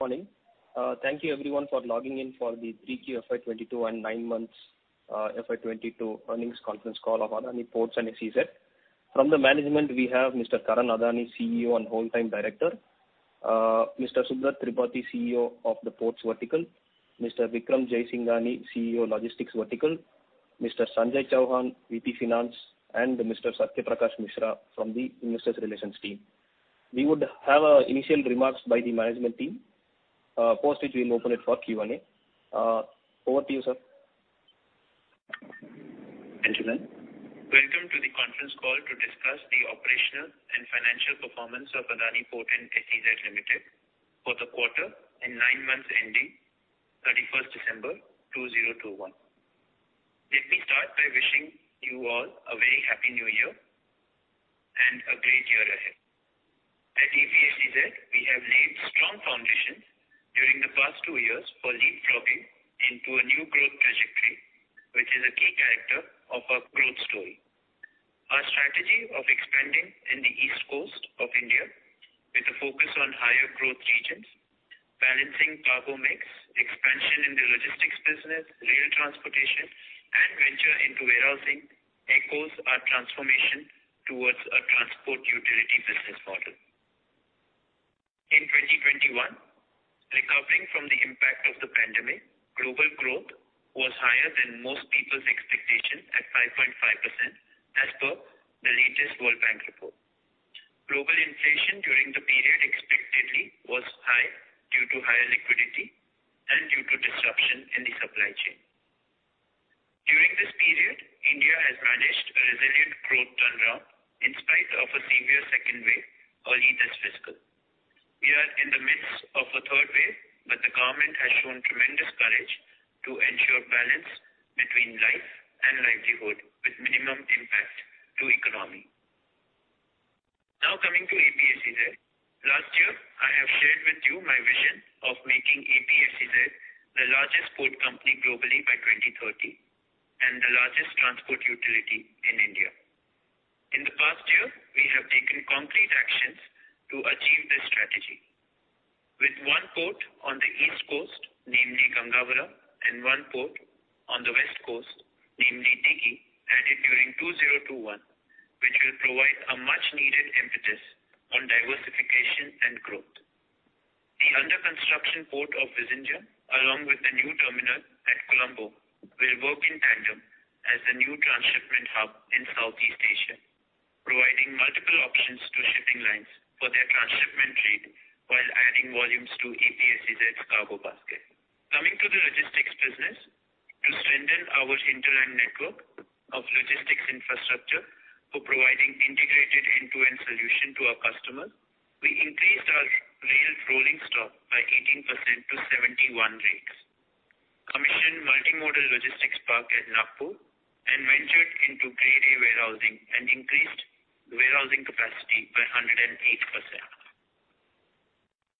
Morning. Thank you everyone for logging in for Q3 FY 2022 and nine months FY 2022 earnings conference call of Adani Ports and SEZ. From the management we have Mr. Karan Adani, CEO and Whole Time Director. Mr. Subrat Tripathy, CEO of the Ports Vertical. Mr. Vikram Jaisinghani, CEO Logistics Vertical. Mr. Sanjay Chauhan, VP, Finance, and Mr. Satya Prakash Mishra from the Investor Relations team. We would have initial remarks by the management team, post which we'll open it for Q&A. Over to you, sir. Thank you. Welcome to the conference call to discuss the operational and financial performance of Adani Ports and SEZ Limited for the quarter and nine months ending December 31st, 2021. Let me start by wishing you all a very happy new year and a great year ahead. At APSEZ, we have laid strong foundations during the past two years for leapfrogging into a new growth trajectory, which is a key character of our growth story. Our strategy of expanding in the East Coast of India with a focus on higher growth regions, balancing cargo mix, expansion in the logistics business, rail transportation, and venture into warehousing echoes our transformation towards a transport utility business model. In 2021, recovering from the impact of the pandemic, global growth was higher than most people's expectations at 5.5% as per the latest World Bank report. Global inflation during the period expectedly was high due to higher liquidity and due to disruption in the supply chain. During this period, India has managed a resilient growth turnaround in spite of a severe second wave early this fiscal. We are in the midst of a third wave, but the government has shown tremendous courage to ensure balance between life and livelihood with minimum impact to economy. Now coming to APSEZ. Last year, I have shared with you my vision of making APSEZ the largest port company globally by 2030, and the largest transport utility in India. In the past year, we have taken concrete actions to achieve this strategy. With one port on the East Coast, namely Gangavaram, and one port on the West Coast, namely Dighi, added during 2021, which will provide a much needed impetus on diversification and growth. The under-construction port of Vizag, along with the new terminal at Colombo, will work in tandem as the new transshipment hub in Southeast Asia, providing multiple options to shipping lines for their transshipment trade while adding volumes to APSEZ cargo basket. Coming to the logistics business. To strengthen our hinterland network of logistics infrastructure for providing integrated end-to-end solution to our customers, we increased our rail rolling stock by 18% to 71 rakes. Commissioned Multimodal Logistics Park at Nagpur and ventured into Grade A warehousing, and increased warehousing capacity by 108%.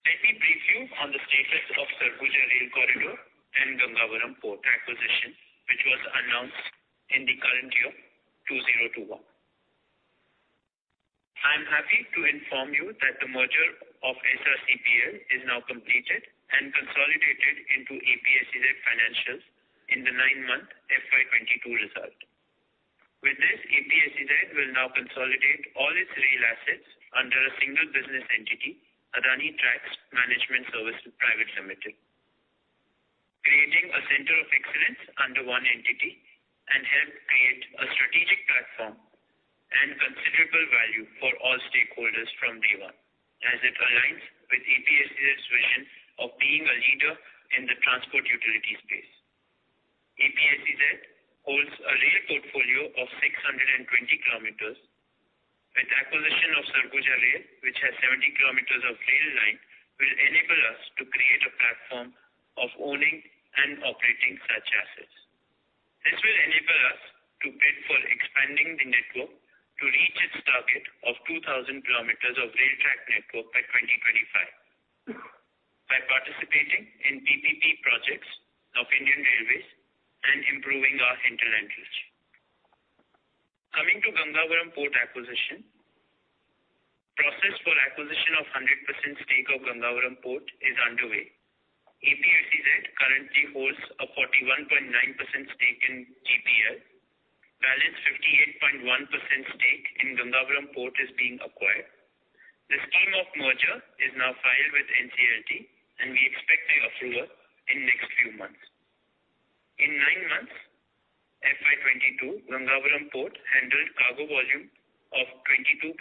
Let me brief you on the status of Sarguja Rail Corridor and Gangavaram Port acquisition, which was announced in the current year, 2021. I'm happy to inform you that the merger of SRCPL is now completed and consolidated into APSEZ financials in the nine-month FY 2022 result. With this, APSEZ will now consolidate all its rail assets under a single business entity, Adani Tracks Management Services Private Limited, creating a center of excellence under one entity and help create a strategic platform and considerable value for all stakeholders from day one, as it aligns with APSEZ's vision of being a leader in the transport utility space. APSEZ holds a rail portfolio of 620 kilometers. With acquisition of Sarguja rail, which has 70 kilometers of rail line will enable us to create a platform of owning and operating such assets. This will enable us to bid for expanding the network to reach its target of 2,000 kilometers of rail track network by 2025, by participating in PPP projects of Indian Railways and improving our hinterland reach. Coming to Gangavaram Port acquisition. Process for acquisition of 100% stake of Gangavaram Port is underway. APSEZ currently holds a 41.9% stake in GPL. Balance 58.1% stake in Gangavaram Port is being acquired. The scheme of merger is now filed with NCLT, and we expect the approval in next few months. In nine months, FY 2022, Gangavaram Port handled cargo volume of 22.35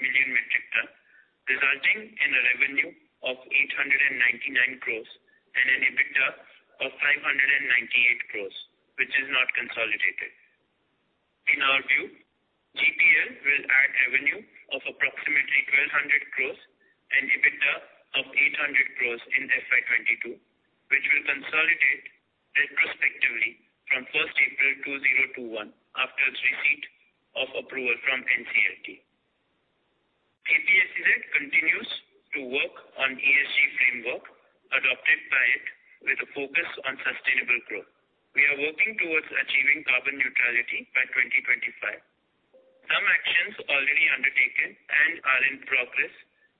million metric tons, resulting in a revenue of 899 crores and an EBITDA of 598 crores, which is not consolidated. In our view, GPL will add revenue of approximately 1,200 crores and EBITDA of 800 crores in FY 2022, which will consolidate retrospectively from April 1st, 2021 after its receipt of approval from NCLT. APSEZ continues to work on ESG framework adopted by it with a focus on sustainable growth. We are working towards achieving carbon neutrality by 2025. Some actions already undertaken and are in progress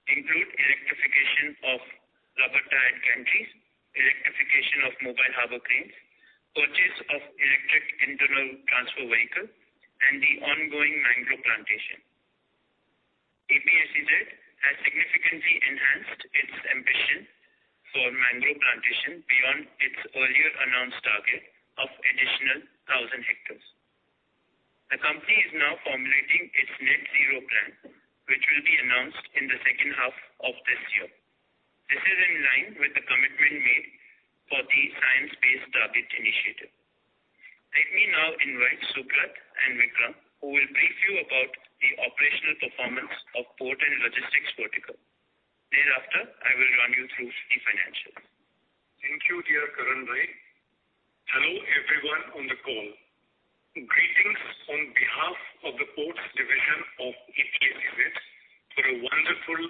include electrification of rubber tire and gantries, electrification of mobile harbor cranes, purchase of electric internal transfer vehicle, and the ongoing mangrove plantation. APSEZ has significantly enhanced its ambition for mangrove plantation beyond its earlier announced target of additional 1,000 hectares. The company is now formulating its net zero plan, which will be announced in the second half of this year. This is in line with the commitment made for the Science Based Targets initiative. Let me now invite Subrat and Vikram, who will brief you about the operational performance of port and logistics vertical. Thereafter, I will run you through the financials. Thank you, Karan Adani. Hello, everyone on the call. Greetings on behalf of the ports division of APSEZ for a wonderful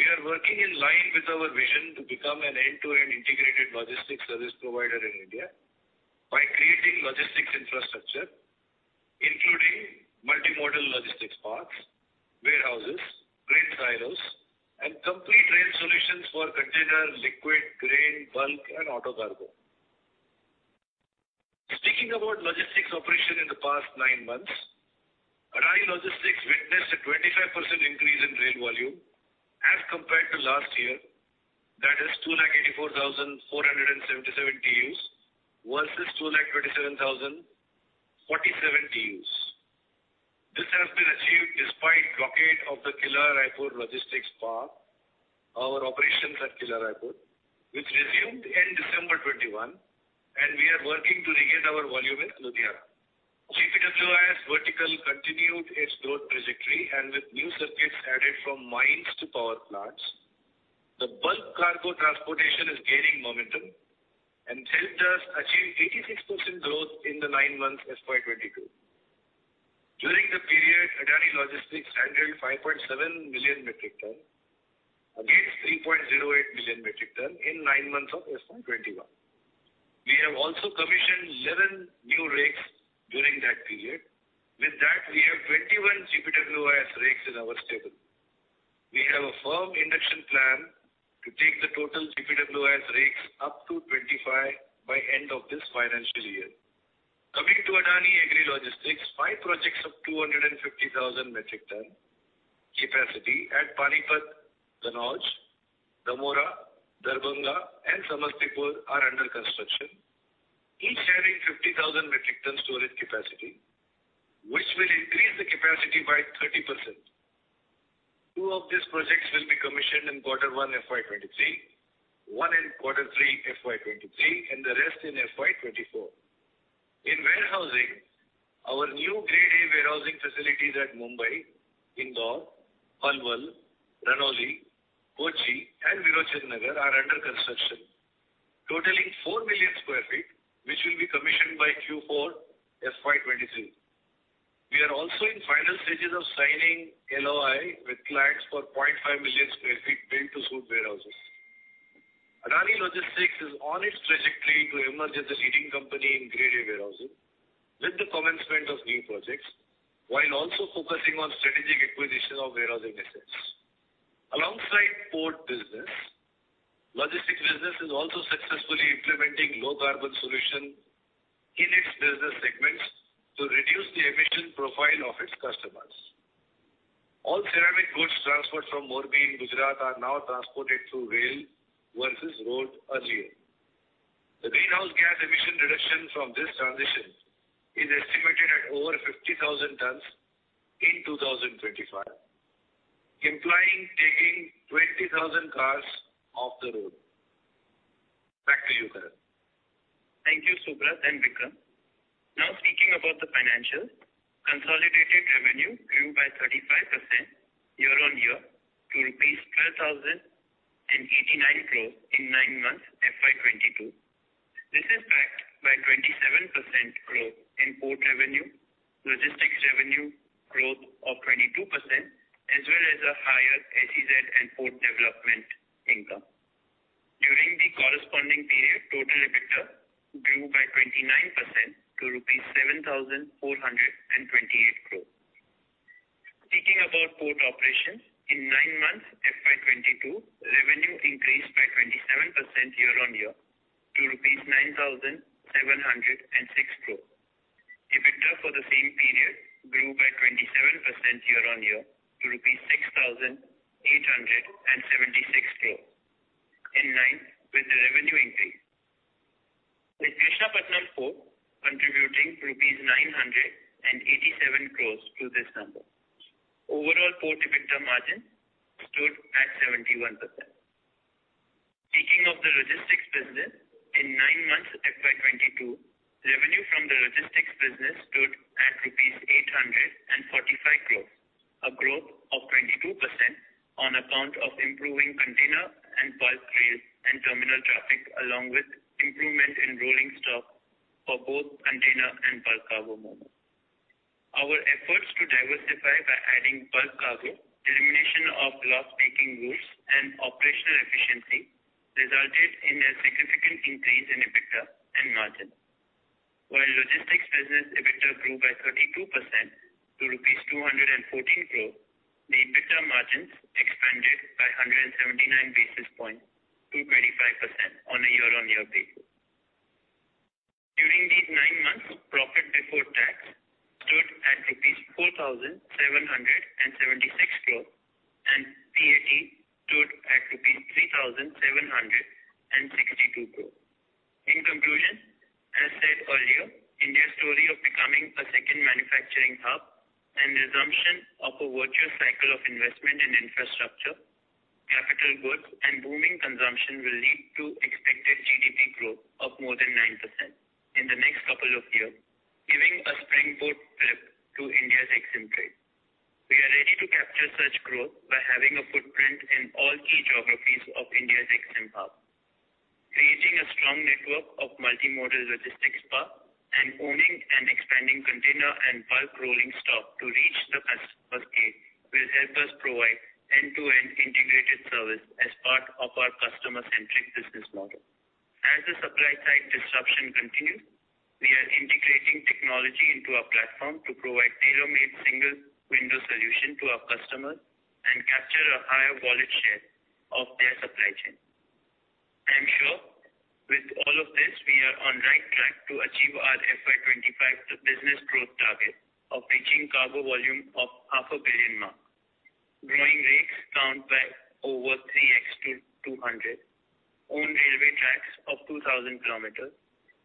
We are working in line with our vision to become an end-to-end integrated logistics service provider in India by creating logistics infrastructure, including multimodal logistics parks, warehouses, grain silos and complete rail solutions for container, liquid, grain, bulk and auto cargo. Speaking about logistics operation in the past nine months, Adani Logistics witnessed a 25% increase in rail volume as compared to last year. That is 2,84,477 TEUs versus 2,27,047 TEUs. This has been achieved despite blockade of the Killa Raipur logistics park. Our operations at Killa Raipur, which resumed in December 2021, and we are working to regain our volume in Ludhiana. GPWIS vertical continued its growth trajectory, and with new circuits added from mines to power plants, the bulk cargo transportation is gaining momentum, and rail thrust achieved 86% growth in the nine months FY 2022. During the period, Adani Logistics handled 5.7 million metric ton against 3.08 million metric ton in nine months of FY 2021. We have also commissioned 11 new rakes during that period. With that, we have 21 GPWIS rakes in our stable. We have a firm induction plan to take the total GPWIS rakes up to 25 by end of this financial year. Coming to Adani Agri Logistics, five projects of 250,000 metric ton capacity at Panipat, Dhanault, Damora, Darbhanga, and Samastipur are under construction, each having 50,000 metric ton storage capacity, which will increase the capacity by 30%. Two of these projects will be commissioned in quarter one FY 2023, one in quarter three FY 2023, and the rest in FY 2024. In warehousing, our new grade A warehousing facilities at Mumbai, Indore, Palwal, Ranoli, Kochi, and Virochanagar are under construction, totaling 4 million sq ft, which will be commissioned by Q4 FY 2023. We are also in final stages of signing LOI with clients for 0.5 million sq ft build to suit warehouses. Adani Logistics is on its trajectory to emerge as a leading company in Grade A warehousing with the commencement of new projects, while also focusing on strategic acquisition of warehousing assets. Alongside port business, logistics business is also successfully implementing low carbon solution in its business segments to reduce the emission profile of its customers. All ceramic goods transferred from Morbi in Gujarat are now transported through rail versus road earlier. The greenhouse gas emission reduction from this transition is estimated at over 50,000 tons in 2025, implying taking 20,000 cars off the road. Back to you, Karan. Thank you, Subrat and Vikram. Now speaking about the financials, consolidated revenue grew by 35% year-on-year to INR 12,089 crore in nine months FY 2022. This is backed by 27% growth in port revenue, logistics revenue growth of 22%, as well as a higher SEZ and port development income. During the corresponding period, total EBITDA grew by 29% to rupees 7,428 crore. Speaking about port operations, in nine months FY 2022, revenue increased by 27% year-on-year to rupees 9,706 crore. EBITDA for the same period grew by 27% year-on-year to rupees 6,876 crore, in line with the revenue increase, with Visakhapatnam Port contributing rupees 987 crore to this number. Overall port EBITDA margin stood at 71%. Speaking of the logistics business, in nine months FY 2022, revenue from the logistics business stood at rupees 845 crore, a growth of 22% on account of improving container and bulk rail and terminal traffic, along with improvement in rolling stock for both container and bulk cargo movement. Our efforts to diversify by adding bulk cargo, elimination of loss-making routes and operational efficiency resulted in a significant increase in EBITDA and margin. While logistics business EBITDA grew by 32% to rupees 214 crore, the EBITDA margins expanded by 179 basis points to 25% on a year-on-year basis. During these nine months, profit before tax stood at 4,776 crore and PAT stood at 3,762 crore. In conclusion, as said earlier, India's story of becoming a second manufacturing hub and resumption of a virtuous cycle of investment in infrastructure, capital goods and booming consumption will lead to expected GDP growth of more than 9% in the next couple of years, giving a springboard flip to India's EXIM trade. We are ready to capture such growth by having a footprint in all key geographies of India's EXIM hub. Creating a strong network of multimodal logistics park and owning and expanding container and bulk rolling stock to reach the customer's gate will help us provide end to end integrated service as part of our customer centric business model. As the supply side disruption continues, we are integrating technology into our platform to provide tailor made single window solution to our customers. Capture a higher wallet share of their supply chain. I am sure with all of this we are on right track to achieve our FY 2025 business growth target of reaching cargo volume of 500 million mark. Growing rakes count by over 3x to 200. Own railway tracks of 2,000 km,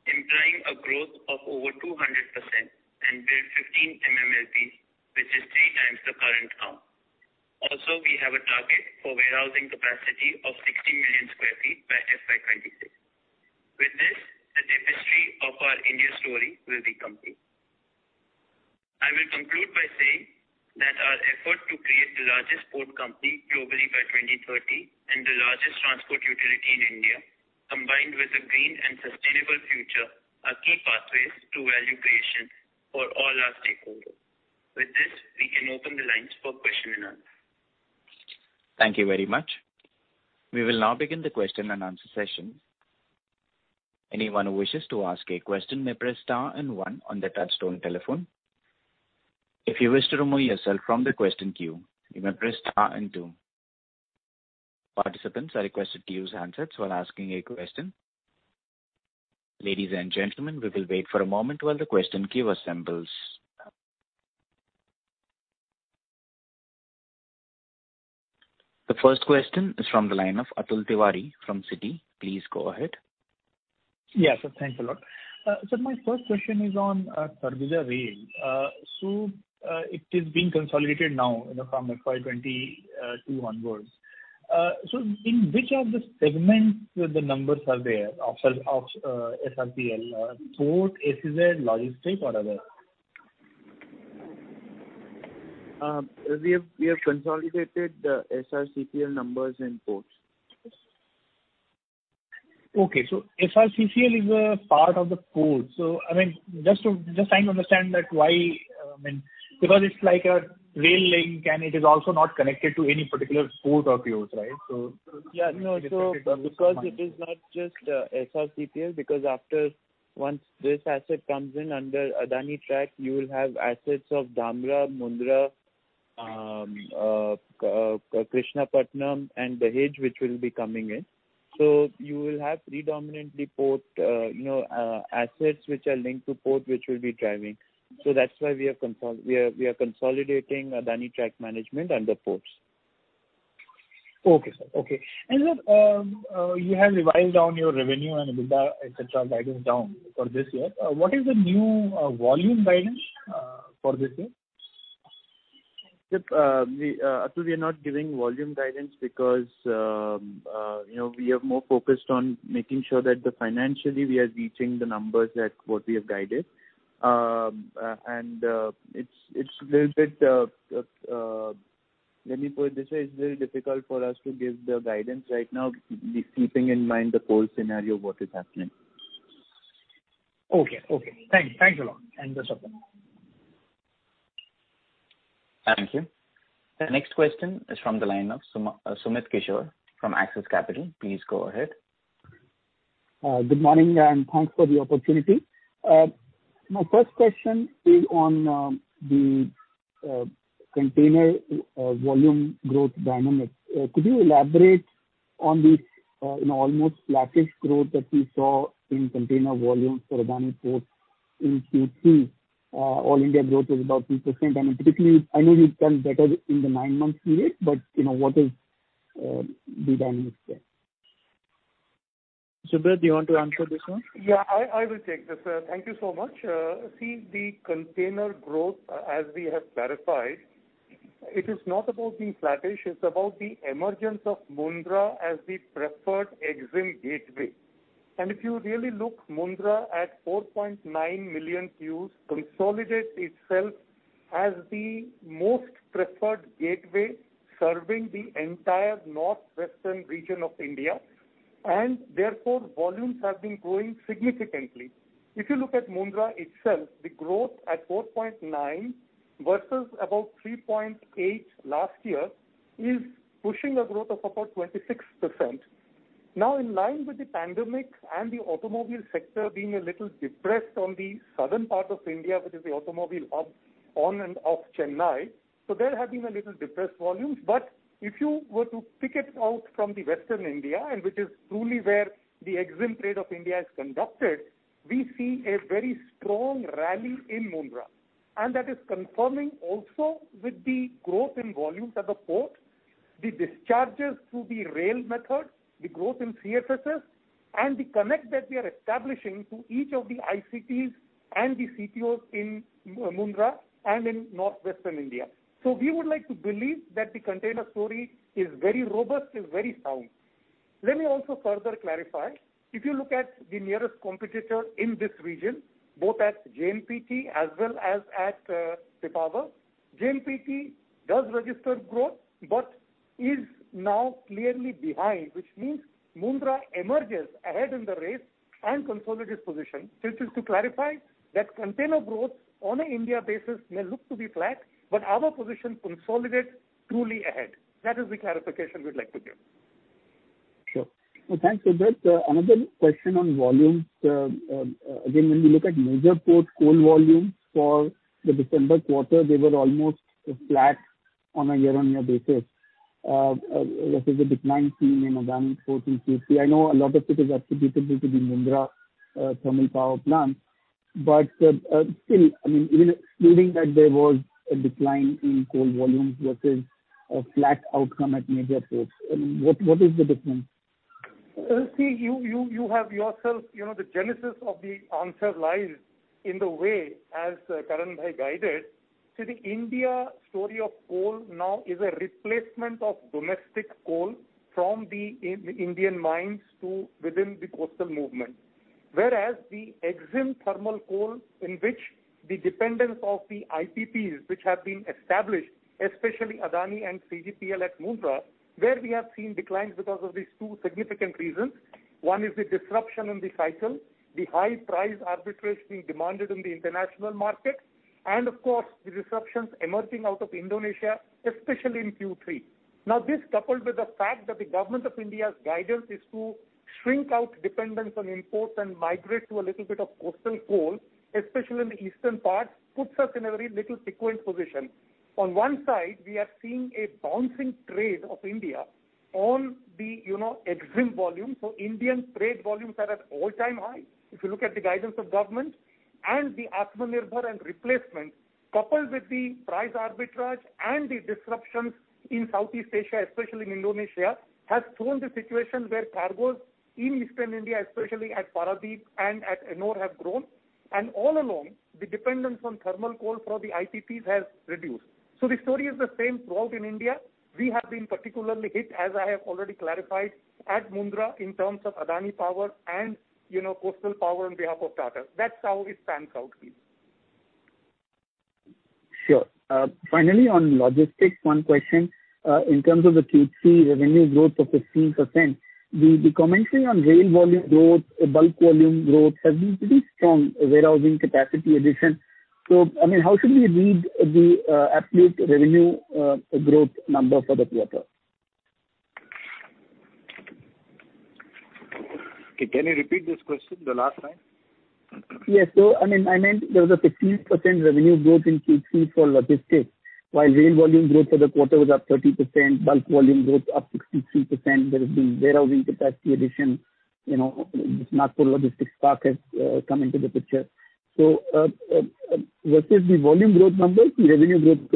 implying a growth of over 200% and build 15 MMLPs, which is three times the current count. Also, we have a target for warehousing capacity of 60 million sq ft by FY 2026. With this, the tapestry of our India story will be complete. I will conclude by saying that our effort to create the largest port company globally by 2030 and the largest transport utility in India, combined with a green and sustainable future, are key pathways to value creation for all our stakeholders. With this, we can open the lines for question and answer. Thank you very much. We will now begin the question and answer session. Anyone who wishes to ask a question may press star and one on the touchtone telephone. If you wish to remove yourself from the question queue, you may press star and two. Participants are requested to use handsets while asking a question. Ladies and gentlemen, we will wait for a moment while the question queue assembles. The first question is from the line of Atul Tiwari from Citi. Please go ahead. Yes, sir. Thanks a lot. Sir, my first question is on Sarguja Rail. So, it is being consolidated now, from FY 2022 onwards. In which of the segments the numbers are there of SRCPL, ports, SEZ, logistics, or other? We have consolidated the SRCPL numbers in ports. Okay. SRCPL is a part of the port. Just trying to understand that why, because it's like a rail link, and it is also not connected to any particular port of yours, right? No. Because it is not just SRCPL, because after once this asset comes in under Adani Tracks, you will have assets of Dhamra, Mundra, Krishnapatnam and Behage, which will be coming in. You will have predominantly assets which are linked to port which will be driving. That's why we are consolidating Adani Tracks management under ports. Okay, sir. You have revised down your revenue and EBITDA, etc., guidance down for this year. What is the new volume guidance for this year? Sir, Atul, we are not giving volume guidance because, we are more focused on making sure that financially we are reaching the numbers at what we have guided. It's a little bit, let me put it this way, it's very difficult for us to give the guidance right now keeping in mind the whole scenario, what is happening. Okay. Thanks a lot. Yes, of course. Thank you. The next question is from the line of Sumit Kishore from Axis Capital. Please go ahead. Good morning, and thanks for the opportunity. My first question is on the container volume growth dynamics. Could you elaborate on the, almost flattish growth that we saw in container volumes for Adani Ports in Q3? All India growth was about 2%. Typically, I know you've done better in the nine-month period, but, what is the dynamics there? Subrat, do you want to answer this one? Yes, I will take this. Thank you so much. See the container growth, as we have clarified, it is not about being flattish, it's about the emergence of Mundra as the preferred EXIM gateway. If you really look at Mundra at 4.9 million TEUs, it consolidates itself as the most preferred gateway serving the entire northwestern region of India, and therefore volumes have been growing significantly. If you look at Mundra itself, the growth at 4.9 versus about 3.8 last year is pushing a growth of about 26%. Now, in line with the pandemic and the automobile sector being a little depressed on the southern part of India, which is the automobile hub around Chennai. There have been a little depressed volumes. If you were to pick it out from the western India, and which is truly where the EXIM trade of India is conducted, we see a very strong rally in Mundra. That is confirming also with the growth in volumes at the port, the discharges through the rail method, the growth in CFSs and the connect that we are establishing to each of the ICTs and the CTOs in Mundra and in northwestern India. We would like to believe that the container story is very robust, is very sound. Let me also further clarify. If you look at the nearest competitor in this region, both at JNPT as well as at Pipava. JNPT does register growth but is now clearly behind, which means Mundra emerges ahead in the race and consolidates position. Just to clarify that container growth on a India basis may look to be flat, but our position consolidates truly ahead. That is the clarification we'd like to give. Sure. Well, thanks, Subrat. Another question on volumes. Again, when we look at major port coal volumes for the December quarter, they were almost flat on a year-on-year basis. There was a decline seen in Adani Ports in Q3. I know a lot of it is attributable to the Mundra thermal power plant, but still, even excluding that there was a decline in coal volumes versus a flat outcome at major ports. WHat is the difference? Yourself, the genesis of the answer lies in the way, as Karan guided. The India story of coal now is a replacement of domestic coal from the Indian mines to within the coastal movement. Whereas the exim thermal coal, in which the dependence of the IPPs which have been established, especially Adani and CGPL at Mundra, where we have seen declines because of these two significant reasons. One is the disruption in the cycle, the high price arbitrage being demanded in the international market, and of course, the disruptions emerging out of Indonesia, especially in Q3. Now, this coupled with the fact that the Government of India's guidance is to shrink out dependence on imports and migrate to a little bit of coastal coal, especially in the eastern part, puts us in a very unique position. On one side, we are seeing a booming trade of India on the exim volume. Indian trade volumes are at all-time high if you look at the guidance of government. The Atmanirbhar and import replacement, coupled with the price arbitrage and the disruptions in Southeast Asia, especially in Indonesia, has thrown the situation where cargoes in eastern India, especially at Paradip and at Ennore have grown. All along, the dependence on thermal coal for the IPPs has reduced. The story is the same throughout in India. We have been particularly hit, as I have already clarified, at Mundra in terms of Adani Power and coastal power on behalf of Tata. That's how it pans out here. Sure. Finally, on logistics, one question. In terms of the Q3 revenue growth of 15%, the commentary on rail volume growth, bulk volume growth has been pretty strong, warehousing capacity addition. How should we read the absolute revenue growth number for the quarter? Okay, can you repeat this question the last time? Yes. I meant there was a 15% revenue growth in Q3 for logistics, while rail volume growth for the quarter was up 30%, bulk volume growth up 63%. There has been warehousing capacity addition. Nagpur Logistics Park has come into the picture. Versus the volume growth number, the revenue growth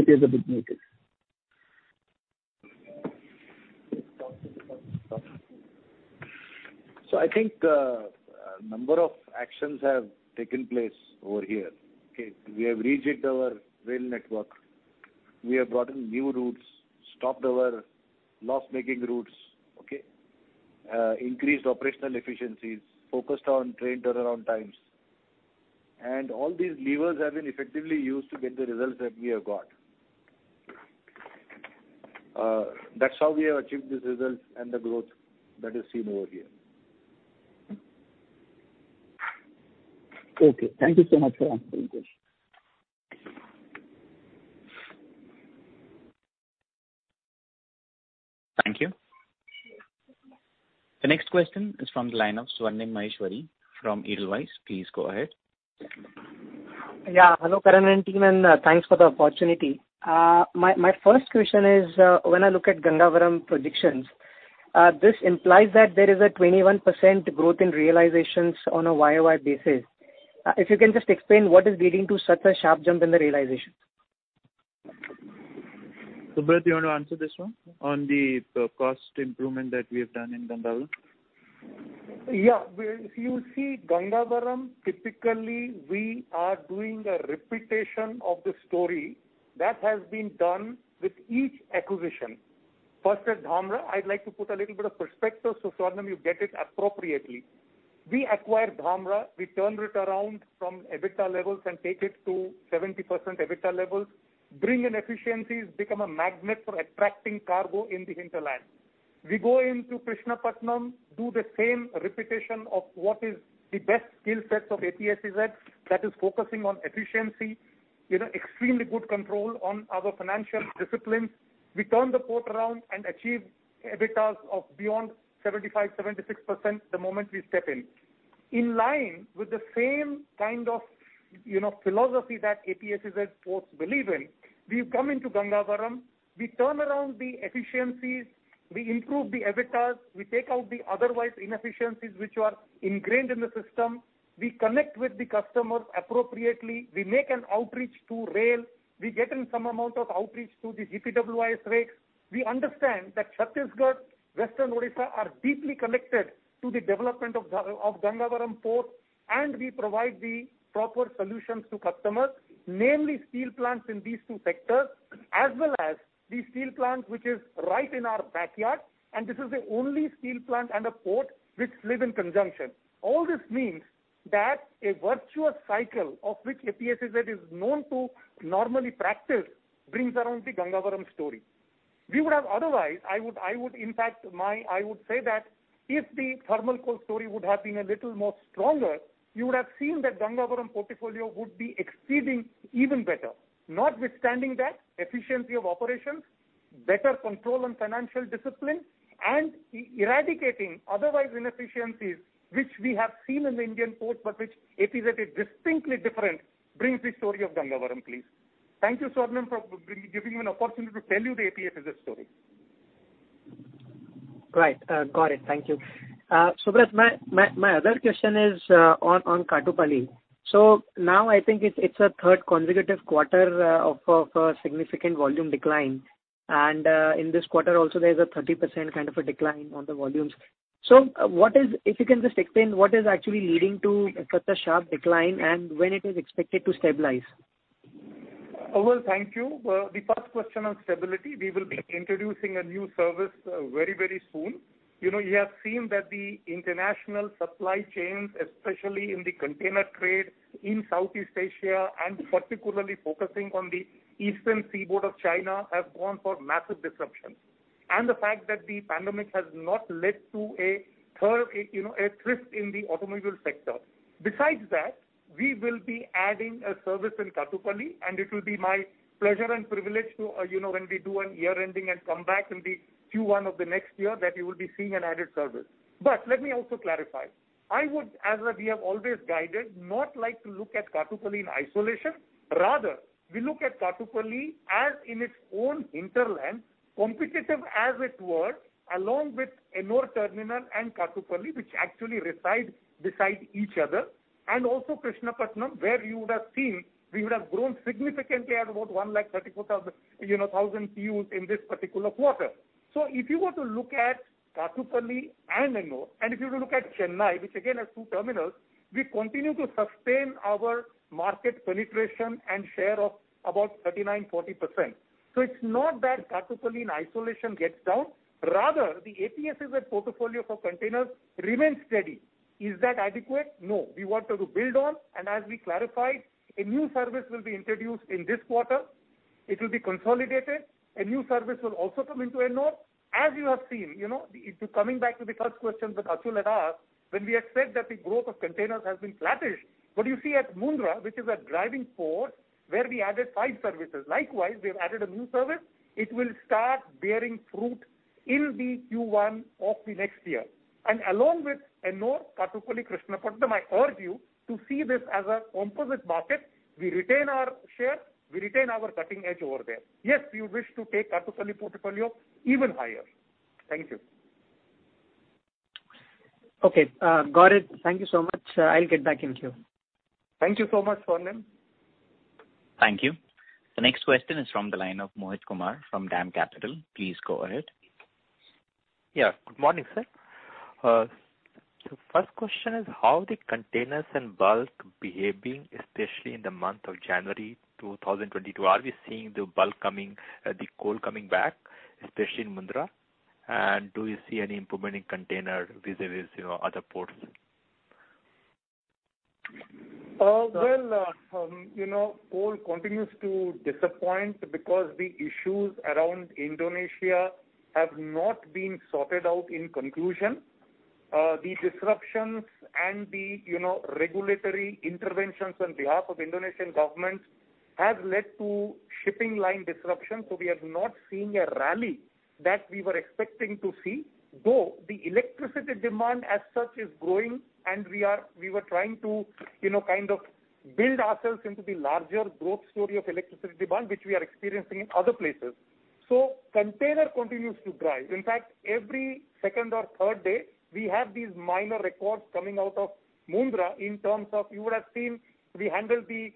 appears a bit muted. I think a number of actions have taken place over here. We have re-jigged our rail network. We have brought in new routes, stopped our loss-making routes, increased operational efficiencies, focused on train turnaround times. All these levers have been effectively used to get the results that we have got. That's how we have achieved these results and the growth that is seen over here. Okay. Thank you so much for answering the question. Thank you. The next question is from the line of Swarnim Maheshwari from Edelweiss. Please go ahead. Yes. Hello, Karan and team, and thanks for the opportunity. My first question is, when I look at Gangavaram projections, this implies that there is a 21% growth in realizations on a YOY basis. If you can just explain what is leading to such a sharp jump in the realization. Subrat, you want to answer this one on the cost improvement that we have done in Gangavaram? Yes. Well, if you see Gangavaram, typically, we are doing a repetition of the story that has been done with each acquisition. First at Dhamra, I'd like to put a little bit of perspective, so Swarnim you get it appropriately. We acquired Dhamra, we turned it around from EBITDA levels and take it to 70% EBITDA levels, bring in efficiencies, become a magnet for attracting cargo in the hinterland. We go into Krishnapatnam, do the same repetition of what is the best skill sets of APSEZ that is focusing on efficiency. extremely good control on our financial disciplines. We turn the port around and achieve EBITDA of beyond 75%, 76% the moment we step in. In line with the same, philosophy that APSEZ ports believe in, we've come into Gangavaram. We turn around the efficiencies. We improve the EBITDA. We take out the otherwise inefficiencies which are ingrained in the system. We connect with the customers appropriately. We make an outreach to rail. We get in some amount of outreach to the GPWIS rails. We understand that Chhattisgarh, Western Odisha are deeply connected to the development of of Gangavaram Port, and we provide the proper solutions to customers, namely steel plants in these two sectors, as well as the steel plant which is right in our backyard, and this is the only steel plant and a port which live in conjunction. All this means that a virtuous cycle of which APSEZ is known to normally practice brings around the Gangavaram story. We would have otherwise I would say that if the thermal coal story would have been a little more stronger, you would have seen that Gangavaram portfolio would be exceeding even better. Notwithstanding that, efficiency of operations, better control on financial discipline and eradicating otherwise inefficiencies which we have seen in the Indian ports, but which APSEZ is distinctly different brings the story of Gangavaram, please. Thank you, Swarnim, for giving me an opportunity to tell you the APSEZ story. Right. Got it. Thank you. Subrat, my other question is on Kattupalli. Now I think it's a third consecutive quarter of a significant volume decline. In this quarter also there's a 30% a decline on the volumes. If you can just explain what is actually leading to such a sharp decline and when it is expected to stabilize? Well, thank you. The first question on stability, we will be introducing a new service very, very soon. you have seen that the international supply chains, especially in the container trade in Southeast Asia and particularly focusing on the eastern seaboard of China, have gone for massive disruption. The fact that the pandemic has not led to a curve, a twist in the automobile sector. Besides that, we will be adding a service in Kattupalli, and it will be my pleasure and privilege to, when we do a year-ending and come back in the Q1 of the next year, that you will be seeing an added service. Let me also clarify. I would, as we have always guided, not like to look at Kattupalli in isolation. Rather, we look at Kattupalli as in its own hinterland competitive as it were, along with Ennore Terminal and Kattupalli, which actually reside beside each other, and also Krishnapatnam, where you would have seen we would have grown significantly at about 134,000, thousand TEUs in this particular quarter. So if you were to look at Kattupalli and Ennore, and if you were to look at Chennai, which again has two terminals, we continue to sustain our market penetration and share of about 39%-40%. It's not that Kattupalli in isolation gets down. Rather, the APSEZ portfolio for containers remains steady. Is that adequate? No. We want to build on, and as we clarified, a new service will be introduced in this quarter. It will be consolidated. A new service will also come into Ennore. As you have seen, coming back to the first question that Atul had asked, when we had said that the growth of containers has been flattish, but you see at Mundra, which is a driving port, where we added five services, likewise, we have added a new service. It will start bearing fruit in the Q1 of the next year. Along with Ennore, Kattupalli, Krishnapatnam, I urge you to see this as a composite market. We retain our share, we retain our cutting edge over there. Yes, we wish to take Kattupalli portfolio even higher. Thank you. Okay. Got it. Thank you so much. I'll get back in queue. Thank you so much, Swarnim. Thank you. The next question is from the line of Mohit Kumar from DAM Capital. Please go ahead. Yes. Good morning, sir. First question is how the containers and bulk behaving, especially in the month of January 2022. Are we seeing the bulk coming, the coal coming back, especially in Mundra? Do you see any improvement in container vis-à-vis, other ports? Coal continues to disappoint because the issues around Indonesia have not been sorted out in conclusion. The disruptions and the regulatory interventions on behalf of Indonesian government have led to shipping line disruptions. We have not seen a rally that we were expecting to see, though the electricity demand as such is growing, and we were trying to build ourselves into the larger growth story of electricity demand which we are experiencing in other places. Container continues to drive. In fact, every second or third day, we have these minor records coming out of Mundra in terms of you would have seen we handled the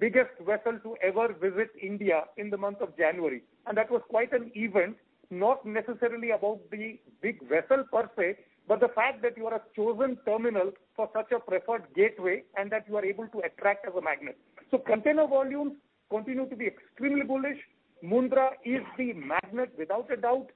biggest vessel to ever visit India in the month of January. That was quite an event, not necessarily about the big vessel per se, but the fact that you are a chosen terminal for such a preferred gateway, and that you are able to attract as a magnet. Container volumes continue to be extremely bullish. Mundra is the magnet without a doubt.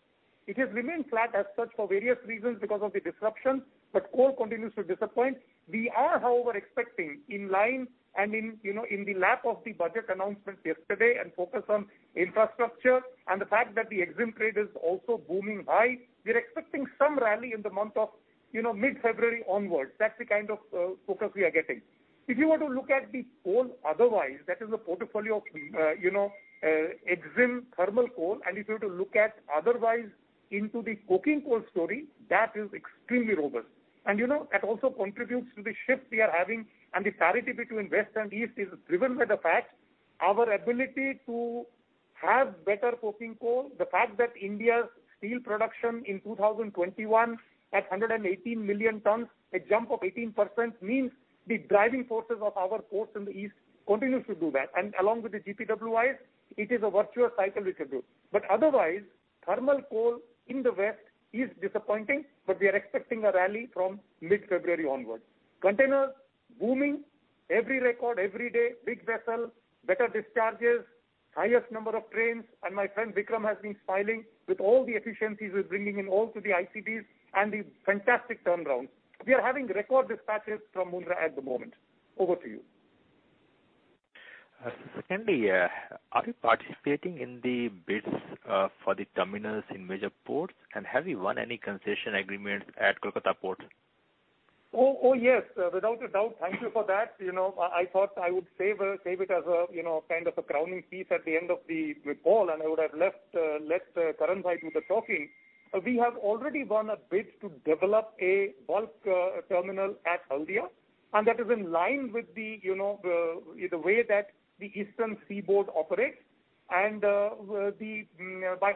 It has remained flat as such for various reasons because of the disruptions, but coal continues to disappoint. We are, however, expecting in line and in the lap of the gods. Budget announcement yesterday and focus on infrastructure and the fact that the EXIM rate is also booming high. We're expecting some rally in the month of mid-February onwards. That's the focus we are getting. If you were to look at the coal otherwise, that is a portfolio of EXIM thermal coal, and if you were to look at otherwise into the coking coal story, that is extremely robust. That also contributes to the shift we are having and the parity between west and east is driven by the fact our ability to have better coking coal, the fact that India's steel production in 2021 at 118 million tons, a jump of 18%, means the driving forces of our ports in the east continues to do that. Along with the GPWIs, it is a virtuous cycle we could do. Otherwise, thermal coal in the west is disappointing, but we are expecting a rally from mid-February onwards. Containers booming every record, every day, big vessel, better discharges, highest number of trains. My friend Vikram has been smiling with all the efficiencies we're bringing into the ICDs and the fantastic turnaround. We are having record dispatches from Mundra at the moment. Over to you. Secondly, are you participating in the bids for the terminals in major ports? Have you won any concession agreements at Kolkata port? Yes, without a doubt. Thank you for that. I thought I would save it as a crowning piece at the end of the report, and I would have left Karan do the talking. We have already won a bid to develop a bulk terminal at Haldia, and that is in line with the way that the eastern seaboard operates. By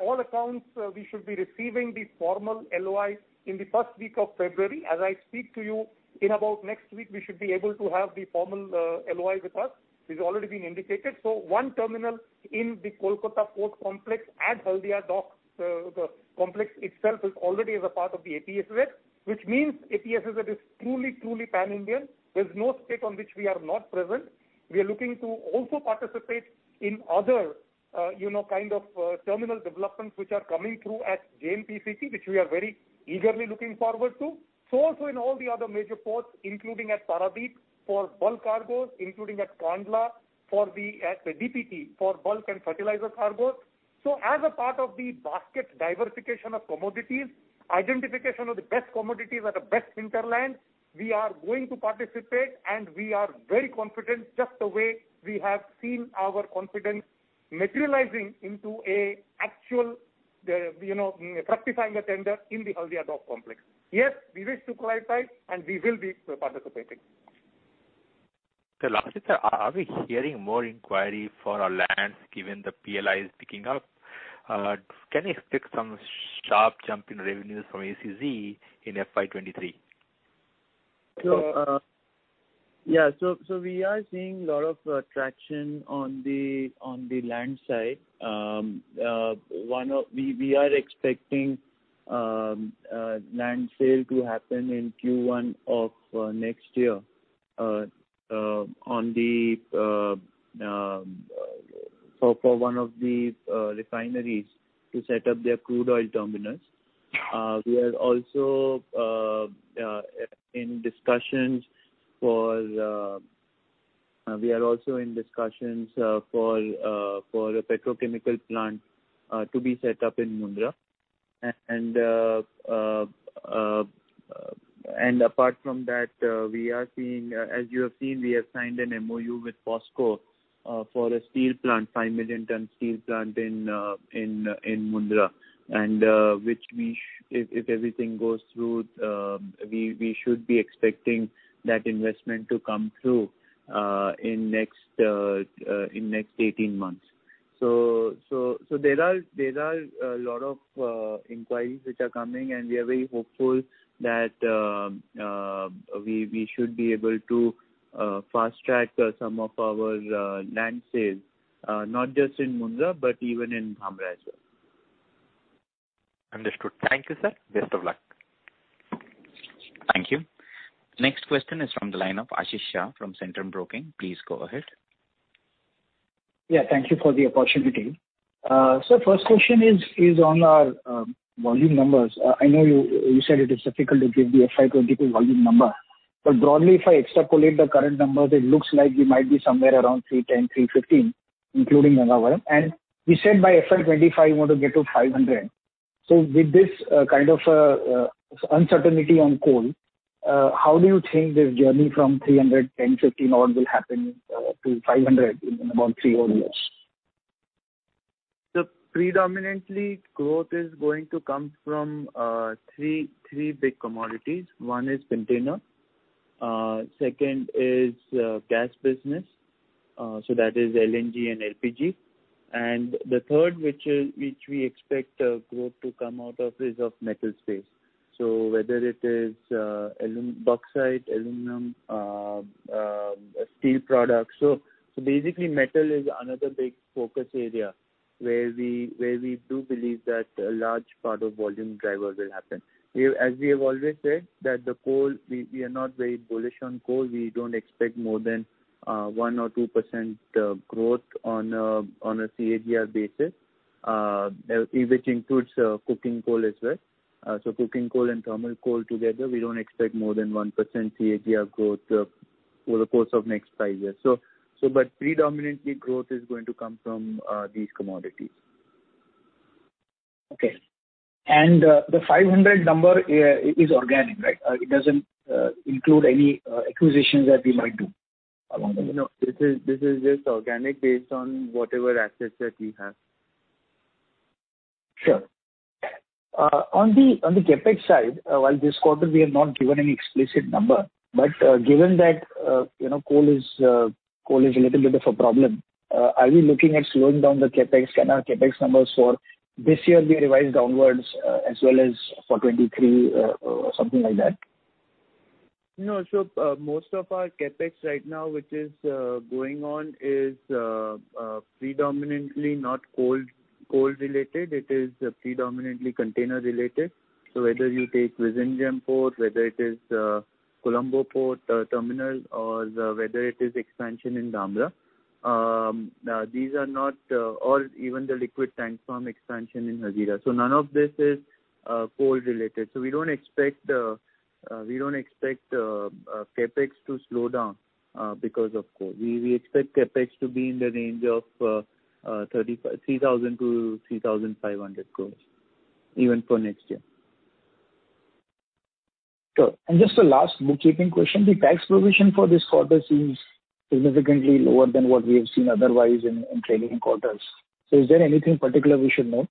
all accounts, we should be receiving the formal LOI in the first week of February. As I speak to you, in about next week, we should be able to have the formal LOI with us, which has already been indicated. One terminal in the Kolkata port complex at Haldia Dock, the complex itself is already a part of the APSEZ, which means APSEZ is truly pan-Indian. There's no state on which we are not present. We are looking to also participate in other terminal developments which are coming through at JNPCT, which we are very eagerly looking forward to. Also in all the other major ports, including at Paradip, for bulk cargoes, including at Kandla, at the DPT for bulk and fertilizer cargoes. As a part of the basket diversification of commodities, identification of the best commodities at the best hinterland we are going to participate, and we are very confident, just the way we have seen our confidence materializing into actual, securing the tender in the Haldia Dock complex. We wish to qualify, and we will be participating. Karan, are we hearing more inquiry for our lands given the PLI is picking up? Can we expect some sharp jump in revenues from SEZ in FY 2023? We are seeing a lot of traction on the land side. We are expecting land sale to happen in Q1 of next year for one of the refineries to set up their crude oil terminals. We are also in discussions for a petrochemical plant to be set up in Mundra. Apart from that, as you have seen, we have signed an MOU with POSCO for a 5 million-ton steel plant in Mundra. If everything goes through, we should be expecting that investment to come through in next 18 months. There are a lot of inquiries which are coming, and we are very hopeful that we should be able to fast-track some of our land sales not just in Mundra but even in Dhamra as well. Understood. Thank you, sir. Best of luck. Thank you. Next question is from the line of Ashish Shah from Centrum Broking. Please go ahead. Thank you for the opportunity. First question is on our volume numbers. I know you said it is difficult to give the FY 2022 volume number, but broadly, if I extrapolate the current numbers, it looks like we might be somewhere around 310, 315, including Gangavaram. You said by FY 2025 you want to get to 500. With this uncertainty on coal, how do you think this journey from 310, 315 on will happen to 500 in about three odd years? Predominantly, growth is going to come from three big commodities. One is container. Second is gas business, so that is LNG and LPG. The third, which we expect growth to come out of, is of metal space. Whether it is bauxite, aluminum, steel products. Basically metal is another big focus area where we do believe that a large part of volume driver will happen. As we have always said that the coal, we are not very bullish on coal. We don't expect more than 1% or 2% growth on a CAGR basis, which includes cooking coal as well. Cooking coal and thermal coal together, we don't expect more than 1% CAGR growth over the course of next five years. But predominantly growth is going to come from these commodities. Okay. The 500 number is organic, right? It doesn't include any acquisitions that we might do along the way? No. This is just organic based on whatever assets that we have. Sure. On the CapEx side, while this quarter we have not given any explicit number, but given that coal is a little bit of a problem, are we looking at slowing down the CapEx? Can our CapEx numbers for this year be revised downwards, as well as for 2023, or something like that? No, most of our CapEx right now, which is going on is predominantly not coal related. It is predominantly container related. Whether you take Vizag Port, whether it is Colombo Port terminal, or whether it is expansion in Dhamra, these are not. Even the liquid tank farm expansion in Hazira. None of this is coal related. We don't expect CapEx to slow down because of coal. We expect CapEx to be in the range of 3,000 crore-3,500 crore. Even for next year. Sure. Just a last bookkeeping question. The tax provision for this quarter seems significantly lower than what we have seen otherwise in trading quarters. Is there anything particular we should note?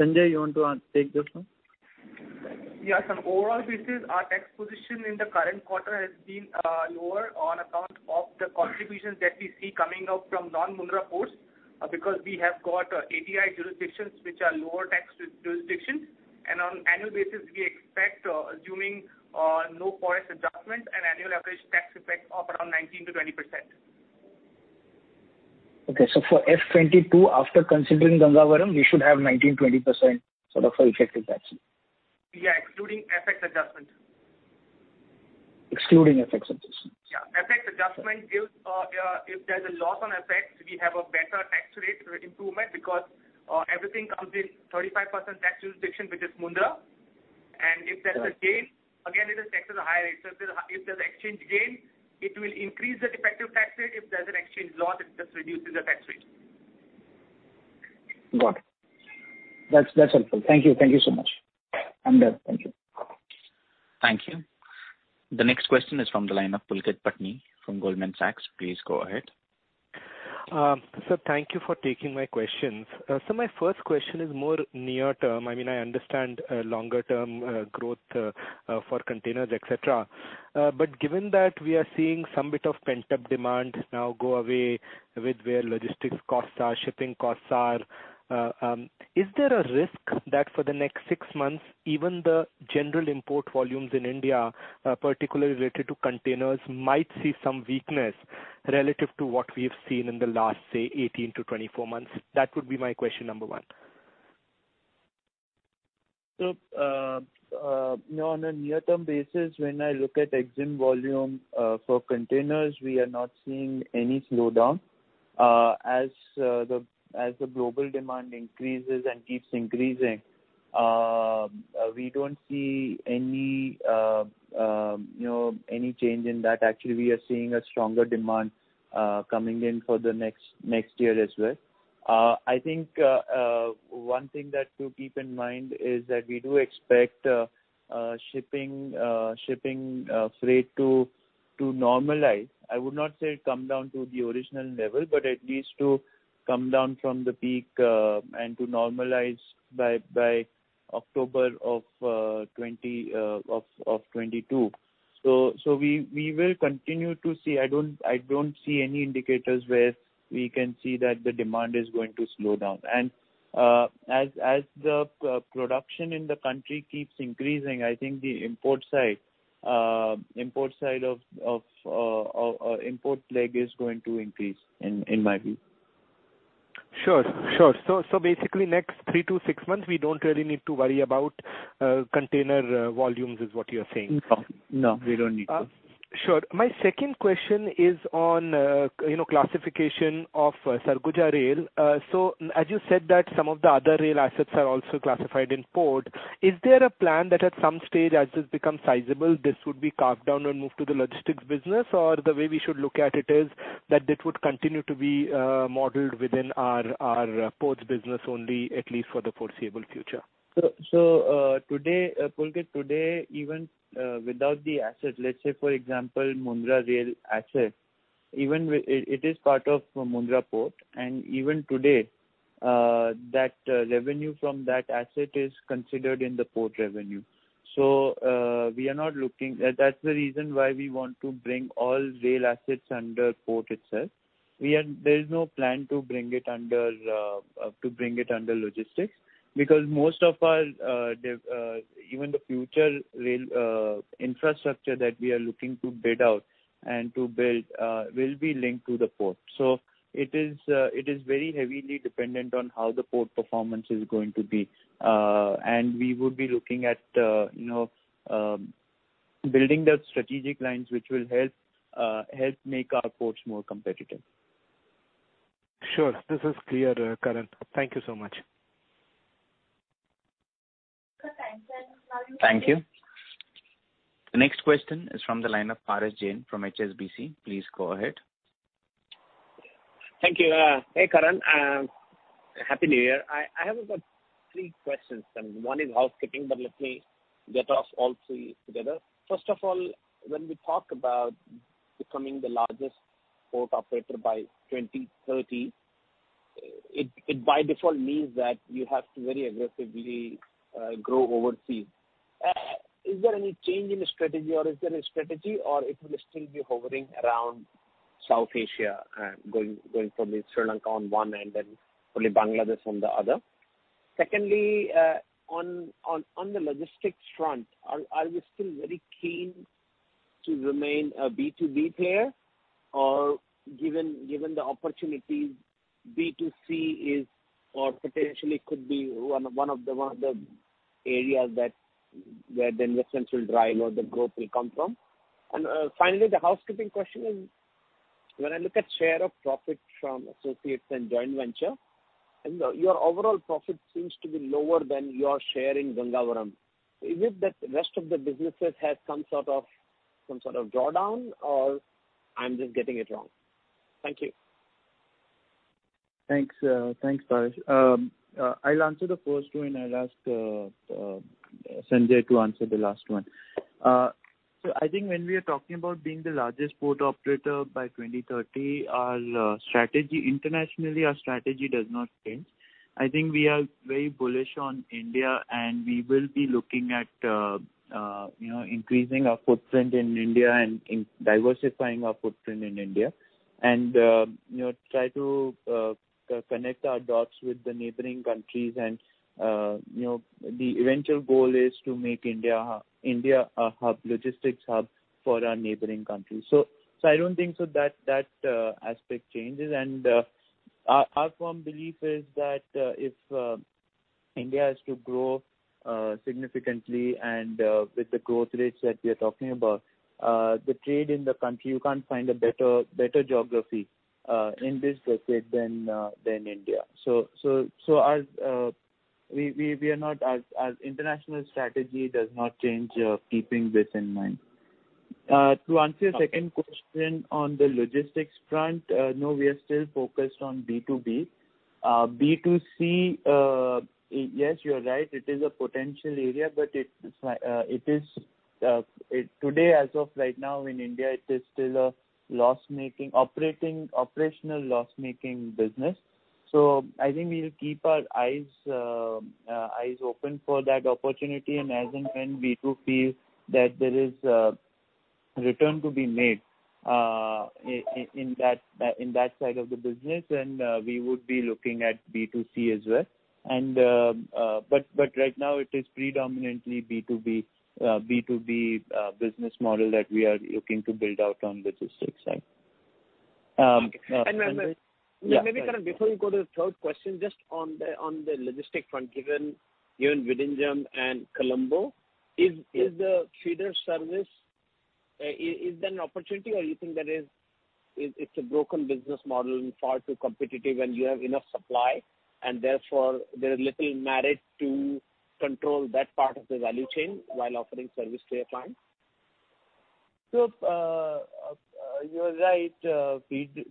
Sanjay, you want to take this one? Yes, on overall basis, our tax position in the current quarter has been lower on account of the contributions that we see coming out from non-Mundra ports because we have got SEZ jurisdictions which are lower tax jurisdictions. On annual basis, we expect, assuming no forex adjustments, an annual average tax effect of around 19%-20%. Okay. For FY 2022, after considering Gangavaram, we should have 19%-20% effective tax. Yes, excluding FX adjustment. Excluding FX adjustment. Yes. FX adjustment gives, if there's a loss on FX, we have a better tax rate improvement because everything comes in 35% tax jurisdiction, which is Mundra. Got it. If there's a gain, again, it is taxed at a higher rate. If there's exchange gain, it will increase the effective tax rate. If there's an exchange loss, it just reduces the tax rate. Got it. That's helpful. Thank you so much. I'm done. Thank you. Thank you. The next question is from the line of Pulkit Patni from Goldman Sachs. Please go ahead. Sir, thank you for taking my questions. My first question is more near term. I understand longer term growth for containers, etc. Given that we are seeing some bit of pent-up demand now go away with where logistics costs are, shipping costs are, is there a risk that for the next six months, even the general import volumes in India, particularly related to containers, might see some weakness relative to what we have seen in the last, say, 18-24 months? That would be my question number one. On a near-term basis, when I look at exim volume for containers, we are not seeing any slowdown. As the global demand increases and keeps increasing, we don't see any change in that. Actually, we are seeing a stronger demand coming in for the next year as well. I think one thing to keep in mind is that we do expect shipping freight to normalize. I would not say come down to the original level, but at least to come down from the peak and to normalize by October of 2022. We will continue to see. I don't see any indicators where we can see that the demand is going to slow down. As the production in the country keeps increasing, I think the import side of import leg is going to increase, in my view. Sure. Basically next three to six months, we don't really need to worry about container volumes, is what you're saying? No, we don't need to. My second question is on classification of Sarguja Rail. As you said that some of the other rail assets are also classified in ports, is there a plan that at some stage, as this becomes sizable, this would be carved down and moved to the logistics business? Or the way we should look at it is that it would continue to be modeled within our ports business only, at least for the foreseeable future? Today, Pulkit, even without the assets, let's say for example, Mundra rail asset, even with it is part of Mundra Port, and even today, that revenue from that asset is considered in the port revenue. That's the reason why we want to bring all rail assets under port itself. There is no plan to bring it under logistics. Because most of our even the future rail infrastructure that we are looking to bid out and to build will be linked to the port. It is very heavily dependent on how the port performance is going to be. We would be looking at building the strategic lines which will help make our ports more competitive. Sure. This is clear, Karan. Thank you so much. Thank you. The next question is from the line of Parash Jain from HSBC. Please go ahead. Thank you. Hey, Karan. Happy New Year. I have three questions, and one is housekeeping, but let me get off all three together. First of all, when we talk about becoming the largest port operator by 2030, it by default means that you have to very aggressively grow overseas. Is there any change in strategy or is there a strategy or it will still be hovering around South Asia, going from Sri Lanka on one end and probably Bangladesh on the other? Secondly, on the logistics front, are you still very keen to remain a B2B player or given the opportunity B2C is or potentially could be one of the areas that where the investments will drive or the growth will come from? Finally, the housekeeping question is, when I look at share of profit from associates and joint venture, and your overall profit seems to be lower than your share in Gangavaram. Is it that rest of the businesses has some drawdown, or I'm just getting it wrong? Thank you. Thanks, Parash. I'll answer the first two, and I'll ask Sanjay to answer the last one. I think when we are talking about being the largest port operator by 2030, our strategy internationally, our strategy does not change. I think we are very bullish on India, and we will be looking at increasing our footprint in India and in diversifying our footprint in India. try to connect our dots with the neighboring countries and the eventual goal is to make India a hub, logistics hub for our neighboring countries. I don't think that aspect changes. Our firm belief is that if India is to grow significantly and with the growth rates that we are talking about, the trade in the country, you can't find a better geography in this decade than India. Our international strategy does not change, keeping this in mind. To answer your second question on the logistics front, no, we are still focused on B2B. B2C, yes, you're right, it is a potential area. But today, as of right now in India, it is still an operational loss-making business. I think we'll keep our eyes open for that opportunity. As and when in B2B that there is return to be made in that side of the business, and we would be looking at B2C as well. But right now it is predominantly B2B business model that we are looking to build out on logistics side. Okay. Maybe Karan, before you go to the third question, just on the logistics front, given Vizag and Colombo, is the feeder service, is there an opportunity or you think that it's a broken business model far too competitive and you have enough supply and therefore there's little merit to control that part of the value chain while offering service to your client? You're right,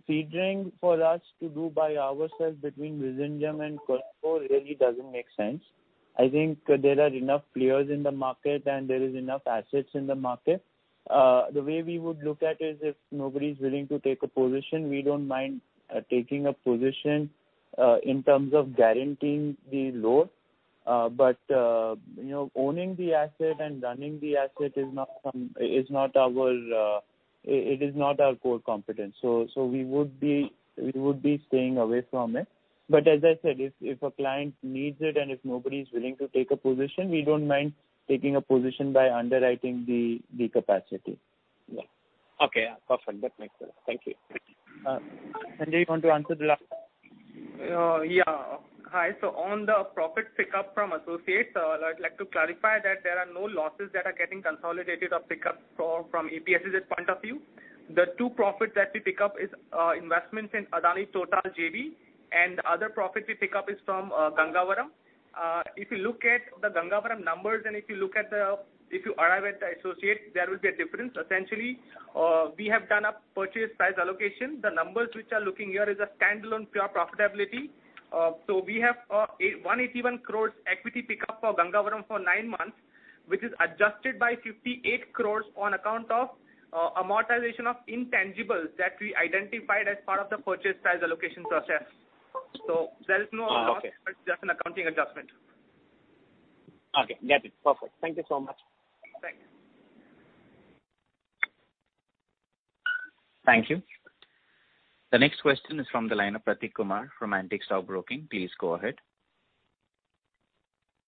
feeder for us to do by ourselves between Vizag and Colombo really doesn't make sense. I think there are enough players in the market, and there is enough assets in the market. The way we would look at is if nobody's willing to take a position, we don't mind taking a position in terms of guaranteeing the load. Owning the asset and running the asset is not our core competence. We would be staying away from it. As I said, if a client needs it and if nobody's willing to take a position, we don't mind taking a position by underwriting the capacity. Okay. Yes. Perfect. That makes sense. Thank you. Sanjay, you want to answer the last one? On the profit pickup from associates, I'd like to clarify that there are no losses that are getting consolidated or picked up from APSEZ's point of view. The two profit that we pick up is investments in Adani TotalEnergies JV, and the other profit we pick up is from Gangavaram. If you look at the Gangavaram numbers, if you arrive at the associate, there will be a difference. Essentially, we have done a purchase price allocation. The numbers which are looking here is a standalone pure profitability. We have 181 crore equity pickup for Gangavaram for nine months, which is adjusted by 58 crore on account of amortization of intangibles that we identified as part of the purchase price allocation process. There is no loss just an accounting adjustment. Okay. Got it. Perfect. Thank you so much. Thanks. Thank you. The next question is from the line of Prateek Kumar from Antique Stock Broking. Please go ahead.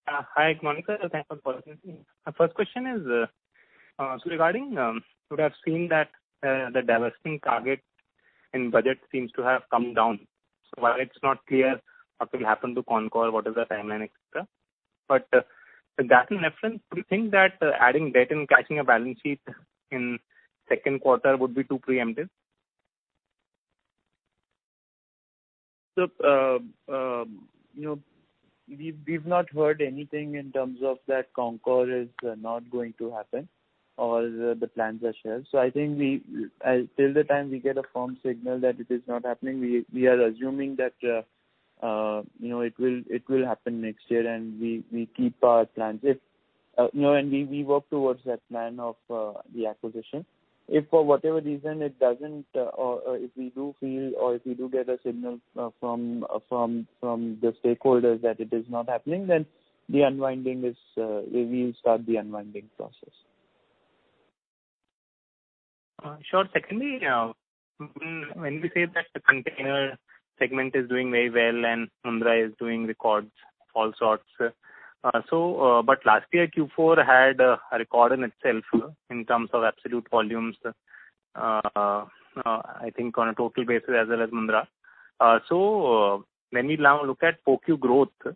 Hi, good morning, sir. Thanks for the opportunity. My first question is regarding we have seen that the divestment target and budget seems to have come down. While it's not clear what will happen to Concor, what is the timeline, etc. That in reference, do you think that adding debt and cash to the balance sheet in second quarter would be too preemptive? We've not heard anything in terms of that Concor is not going to happen or the plans are shelved. I think we till the time we get a firm signal that it is not happening, we are assuming that it will happen next year. We keep our plans if and we work towards that plan of the acquisition. If for whatever reason it doesn't or if we do feel or if we do get a signal from the stakeholders that it is not happening, then the unwinding is, we will start the unwinding process. Sure. Secondly, when we say that the container segment is doing very well and Mundra is setting records of all sorts, but last year Q4 had a record in itself in terms of absolute volumes, I think on a total basis as well as Mundra. When we now look at QoQ growth,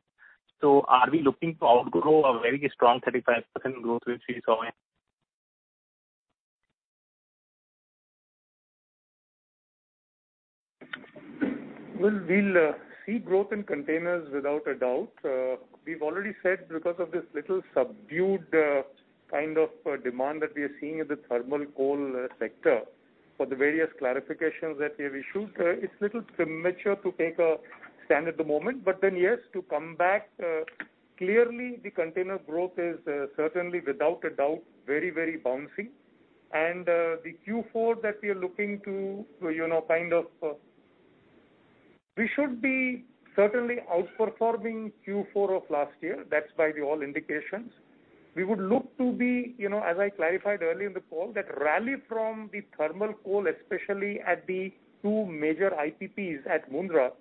are we looking to outgrow a very strong 35% growth which we saw in- Well, we'll see growth in containers without a doubt. We've already said because of this little subdued demand that we are seeing in the thermal coal sector for the various clarifications that we have issued, it's a little premature to take a stand at the moment. Yes, to come back, clearly the container growth is certainly without a doubt, very, very bouncy. The Q4 that we are looking to, we should be certainly outperforming Q4 of last year. That's by all indications. We would look to be, as I clarified earlier in the call, that rally from the thermal coal, especially at the two major IPPs at Mundra,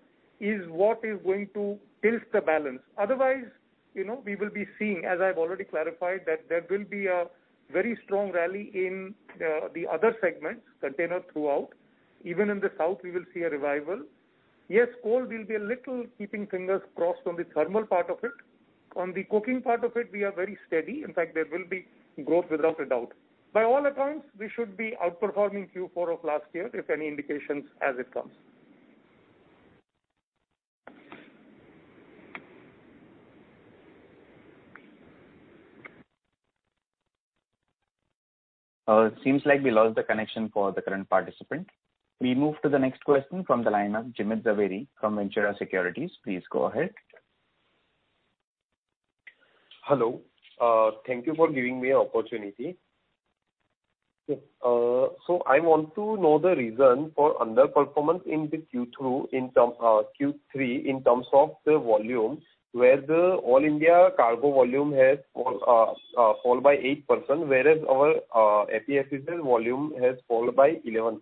is what is going to tilt the balance. Otherwise, we will be seeing, as I've already clarified, that there will be a very strong rally in the other segments, container throughput. Even in the south, we will see a revival. Yes, coal will be a little, keeping fingers crossed, on the thermal part of it. On the coking part of it, we are very steady. In fact, there will be growth without a doubt. By all accounts, we should be outperforming Q4 of last year, if any indications as it comes. It seems like we lost the connection for the current participant. We move to the next question from the line of Jimit Zaveri from Ventura Securities. Please go ahead. Hello. Thank you for giving me an opportunity. I want to know the reason for underperformance in Q3 in terms of the volume, where the all-India cargo volume has fallen by 8%, whereas our APSEZ's volume has fallen by 11%.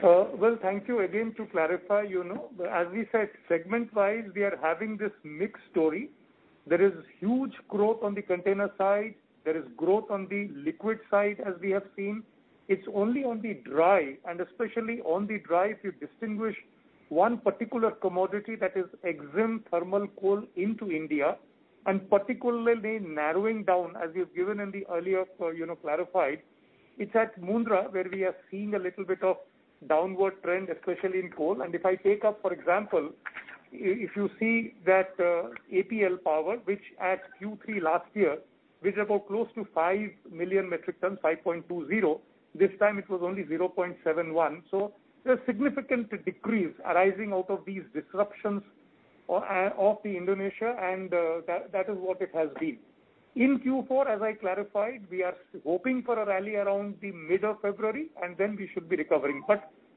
Well, thank you again to clarify. As we said, segment-wise, we are having this mixed story. There is huge growth on the container side. There is growth on the liquid side, as we have seen. It's only on the dry, and especially on the dry, if you distinguish one particular commodity that is imported thermal coal into India, and particularly narrowing down, as we've given in the earlier, clarified, it's at Mundra, where we are seeing a little bit of downward trend, especially in coal. If I take up, for example, if you see that APL Power, which at Q3 last year about close to 5 million metric tons, 5.20, this time it was only 0.71. There's significant decrease arising out of these disruptions out of Indonesia, and that is what it has been. In Q4, as I clarified, we are hoping for a rally around the mid of February, and then we should be recovering.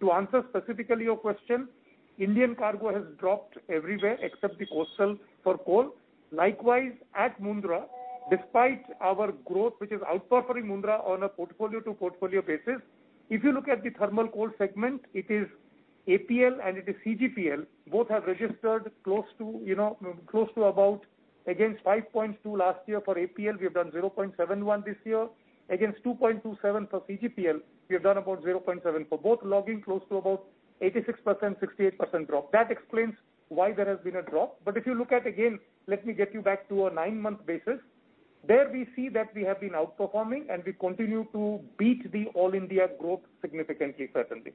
To answer specifically your question, Indian cargo has dropped everywhere except the coastal for coal. Likewise, at Mundra, despite our growth, which is outperforming Mundra on a portfolio to portfolio basis, if you look at the thermal coal segment, it is APL and it is CGPL, both have registered close to about against 5.2 last year for APL, we have done 0.71 this year. Against 2.27 for CGPL, we have done about 0.7. For both clocking close to about 86%, 68% drop. That explains why there has been a drop. If you look at it again, let me get you back to a nine-month basis. There we see that we have been outperforming, and we continue to beat the all India growth significantly, certainly.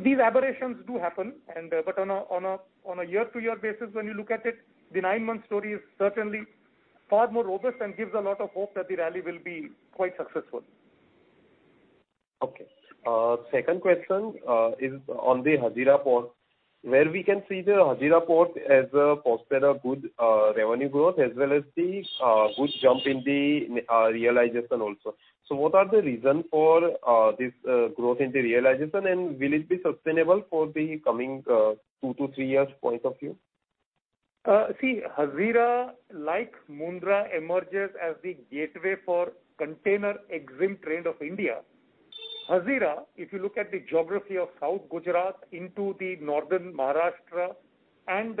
These aberrations do happen and but on a year-to-year basis, when you look at it, the nine-month story is certainly far more robust and gives a lot of hope that the rally will be quite successful. Okay. Second question is on the Hazira Port, where we can see the Hazira Port has posted a good revenue growth as well as the good jump in the realization also. What are the reason for this growth in the realization, and will it be sustainable for the coming two to three years point of view? Hazira, like Mundra, emerges as the gateway for container exempt trade of India. Hazira, if you look at the geography of south Gujarat into the northern Maharashtra and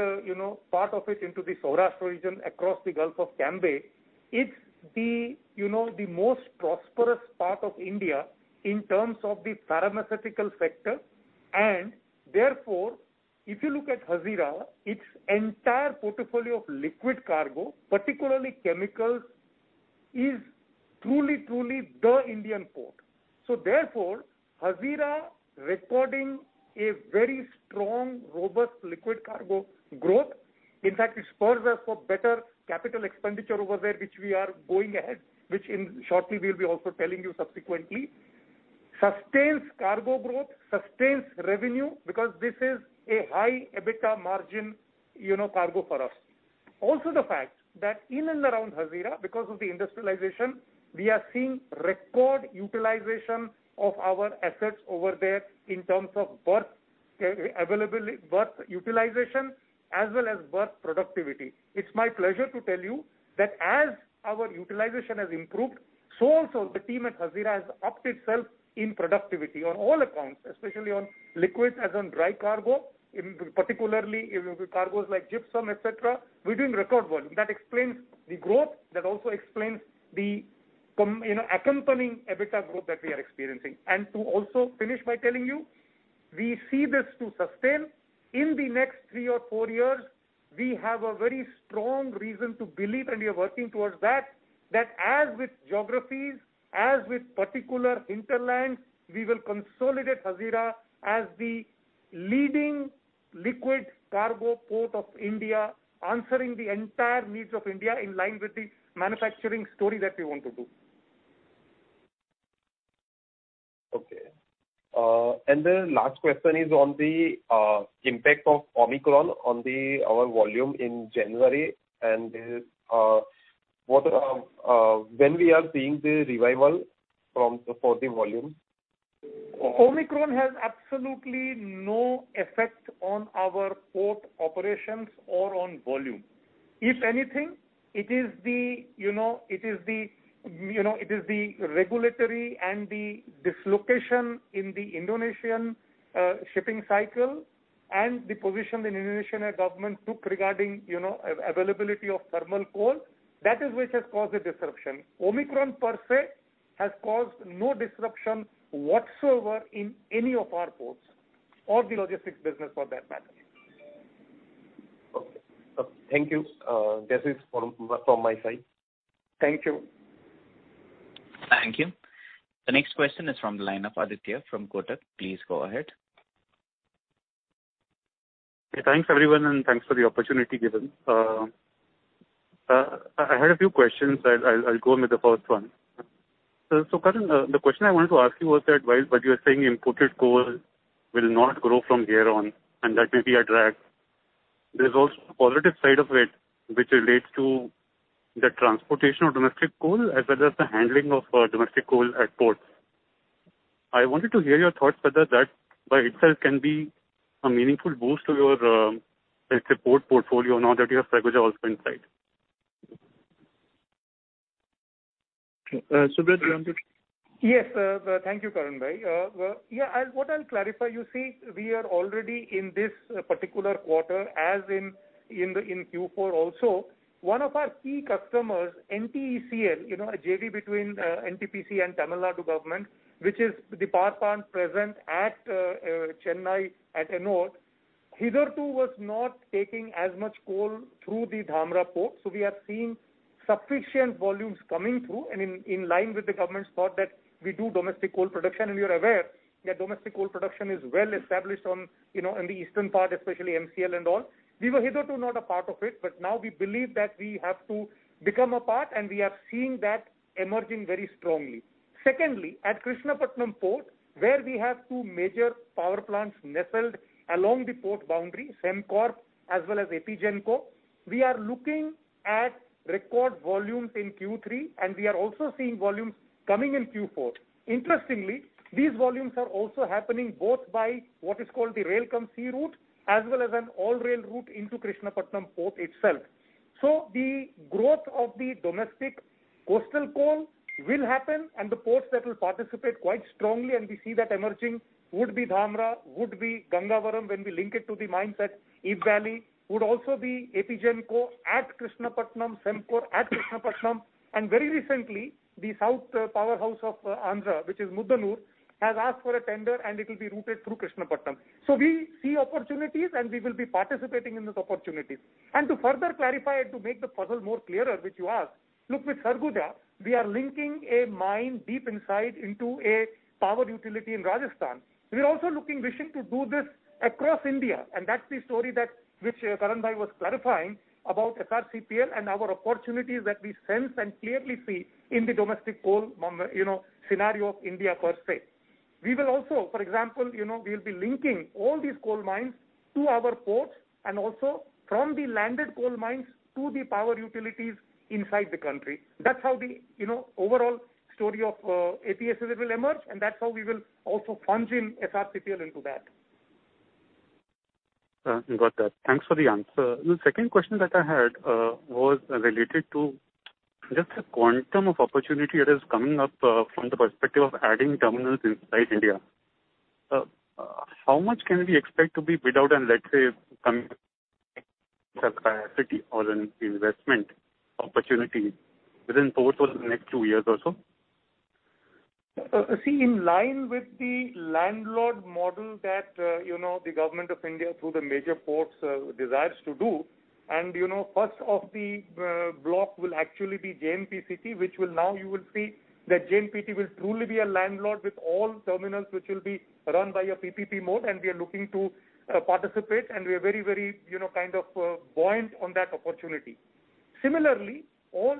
part of it into the Saurashtra region across the Gulf of Cambay, it's the most prosperous part of India in terms of the pharmaceutical sector. Therefore, if you look at Hazira, its entire portfolio of liquid cargo, particularly chemicals, is truly the Indian port. Therefore, Hazira recording a very strong, robust liquid cargo growth. In fact, it spurs us for better capital expenditure over there, which we are going ahead, which in short we'll be also telling you subsequently. Sustains cargo growth, sustains revenue, because this is a high EBITDA margin cargo for us. The fact that in and around Hazira, because of the industrialization, we are seeing record utilization of our assets over there in terms of berth utilization as well as berth productivity. It's my pleasure to tell you that as our utilization has improved, so also the team at Hazira has upped itself in productivity on all accounts, especially on liquid as on dry cargo, in particular in cargos like gypsum, etc. We're doing record work. That explains the growth. That also explains accompanying EBITDA growth that we are experiencing. To also finish by telling you. We see this to sustain. In the next three or four years, we have a very strong reason to believe, and we are working towards that as with geographies, as with particular hinterlands, we will consolidate Hazira as the leading liquid cargo port of India, answering the entire needs of India in line with the manufacturing story that we want to do. Okay, and the last question is on the impact of Omicron on our volume in January, and what when we are seeing the revival for the volume. Omicron has absolutely no effect on our port operations or on volume. If anything, it is the regulatory and the dislocation in the Indonesian shipping cycle and the position the Indonesian government took regarding availability of thermal coal, that which has caused the disruption. Omicron per se has caused no disruption whatsoever in any of our ports or the logistics business for that matter. Okay. Thank you. That is from my side. Thank you. Thank you. The next question is from the line of Aditya from Kotak. Please go ahead. Thanks, everyone, and thanks for the opportunity given. I had a few questions. I'll go with the first one. Karan, the question I wanted to ask you was that while what you are saying imported coal will not grow from here on, and that may be a drag. There's also a positive side of it which relates to the transportation of domestic coal as well as the handling of domestic coal at ports. I wanted to hear your thoughts whether that by itself can be a meaningful boost to your, let's say, port portfolio now that you have Sarguja also inside. Subrat, do you want to? Yes. Thank you, Karan. What I'll clarify, we are already in this particular quarter as in Q4 also. One of our key customers, NTECL, a JV between NTPC and Tamil Nadu government, which is the power plant present at Chennai at Ennore, hitherto was not taking as much coal through the Dhamra port. We are seeing sufficient volumes coming through and in line with the government's thrust that we do domestic coal production. You're aware that domestic coal production is well established, in the eastern part, especially MCL and all. We were hitherto not a part of it, but now we believe that we have to become a part, and we are seeing that emerging very strongly. Secondly, at Krishnapatnam Port, where we have two major power plants nestled along the port boundary, Sembcorp as well as APGENCO, we are looking at record volumes in Q3, and we are also seeing volumes coming in Q4. Interestingly, these volumes are also happening both by what is called the rail cum sea route as well as an all-rail route into Krishnapatnam Port itself. The growth of the domestic coastal coal will happen and the ports that will participate quite strongly, and we see that emerging, would be Dhamra, would be Gangavaram when we link it to the mines at Ib Valley, would also be APGENCO at Krishnapatnam, Sembcorp at Krishnapatnam. Very recently, the south powerhouse of Andhra, which is Muthukur, has asked for a tender, and it will be routed through Krishnapatnam. We see opportunities, and we will be participating in those opportunities. To further clarify, to make the puzzle more clearer, which you asked, look, with Sarguja, we are linking a mine deep inside into a power utility in Rajasthan. We are also looking, wishing to do this across India, and that's the story that which Karan was clarifying about SRCPL and our opportunities that we sense and clearly see in the domestic coal, scenario of India per se. ALso, for example, we'll be linking all these coal mines to our ports and also from the landed coal mines to the power utilities inside the country. That's how the overall story of APSEZ will emerge, and that's how we will also fund in SRCPL into that. Got that. Thanks for the answer. The second question that I had was related to just the quantum of opportunity that is coming up from the perspective of adding terminals inside India. How much can we expect to be bid out and let's say capacity or an investment opportunity within ports over the next two years or so? In line with the landlord model that the Government of India through the major ports desires to do, and first of the block will actually be JNPCT, which now you will see that JNPT will truly be a landlord with all terminals which will be run by a PPP mode, and we are looking to participate, and we are very buoyant on that opportunity. Similarly,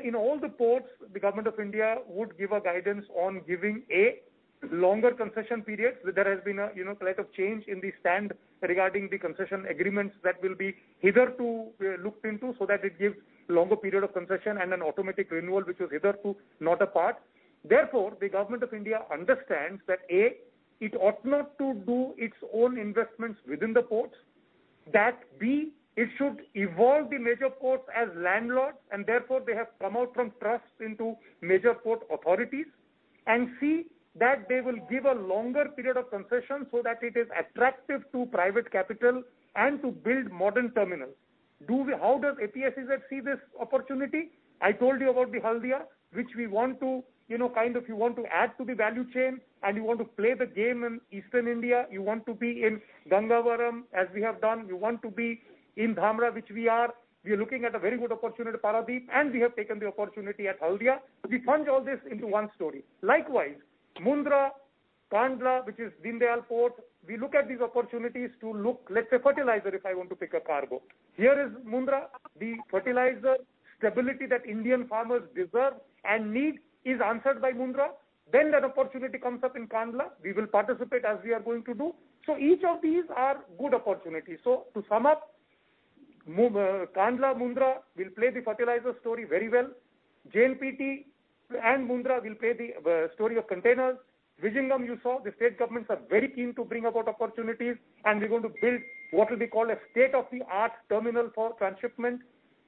in all the ports the Government of India would give a guidance on giving a longer concession period. There has been a slight change in the stance regarding the concession agreements that will be hitherto looked into so that it gives longer period of concession and an automatic renewal which was hitherto not a part. Therefore, the Government of India understands that, A, it ought not to do its own investments within the ports. That, B, it should evolve the major ports as landlords, and therefore they have come out from trusts into major port authorities. C, that they will give a longer period of concession so that it is attractive to private capital and to build modern terminals. How does APSEZ see this opportunity? I told you about the Haldia, which you want to add to the value chain, and you want to play the game in Eastern India, you want to be in Gangavaram, as we have done, you want to be in Dhamra, which we are. We are looking at a very good opportunity at Paradip, and we have taken the opportunity at Haldia. We fit all this into one story. Likewise Mundra, Kandla, which is Jindal Port, we look at these opportunities, let's say, fertilizer, if I want to pick a cargo. Here is Mundra, the fertilizer stability that Indian farmers deserve and need is answered by Mundra. That opportunity comes up in Kandla. We will participate as we are going to do. Each of these are good opportunities. To sum up, Kandla, Mundra will play the fertilizer story very well. JNPT and Mundra will play the story of containers. Vizag you saw, the state governments are very keen to bring about opportunities, and we're going to build what will be called a state-of-the-art terminal for transshipment.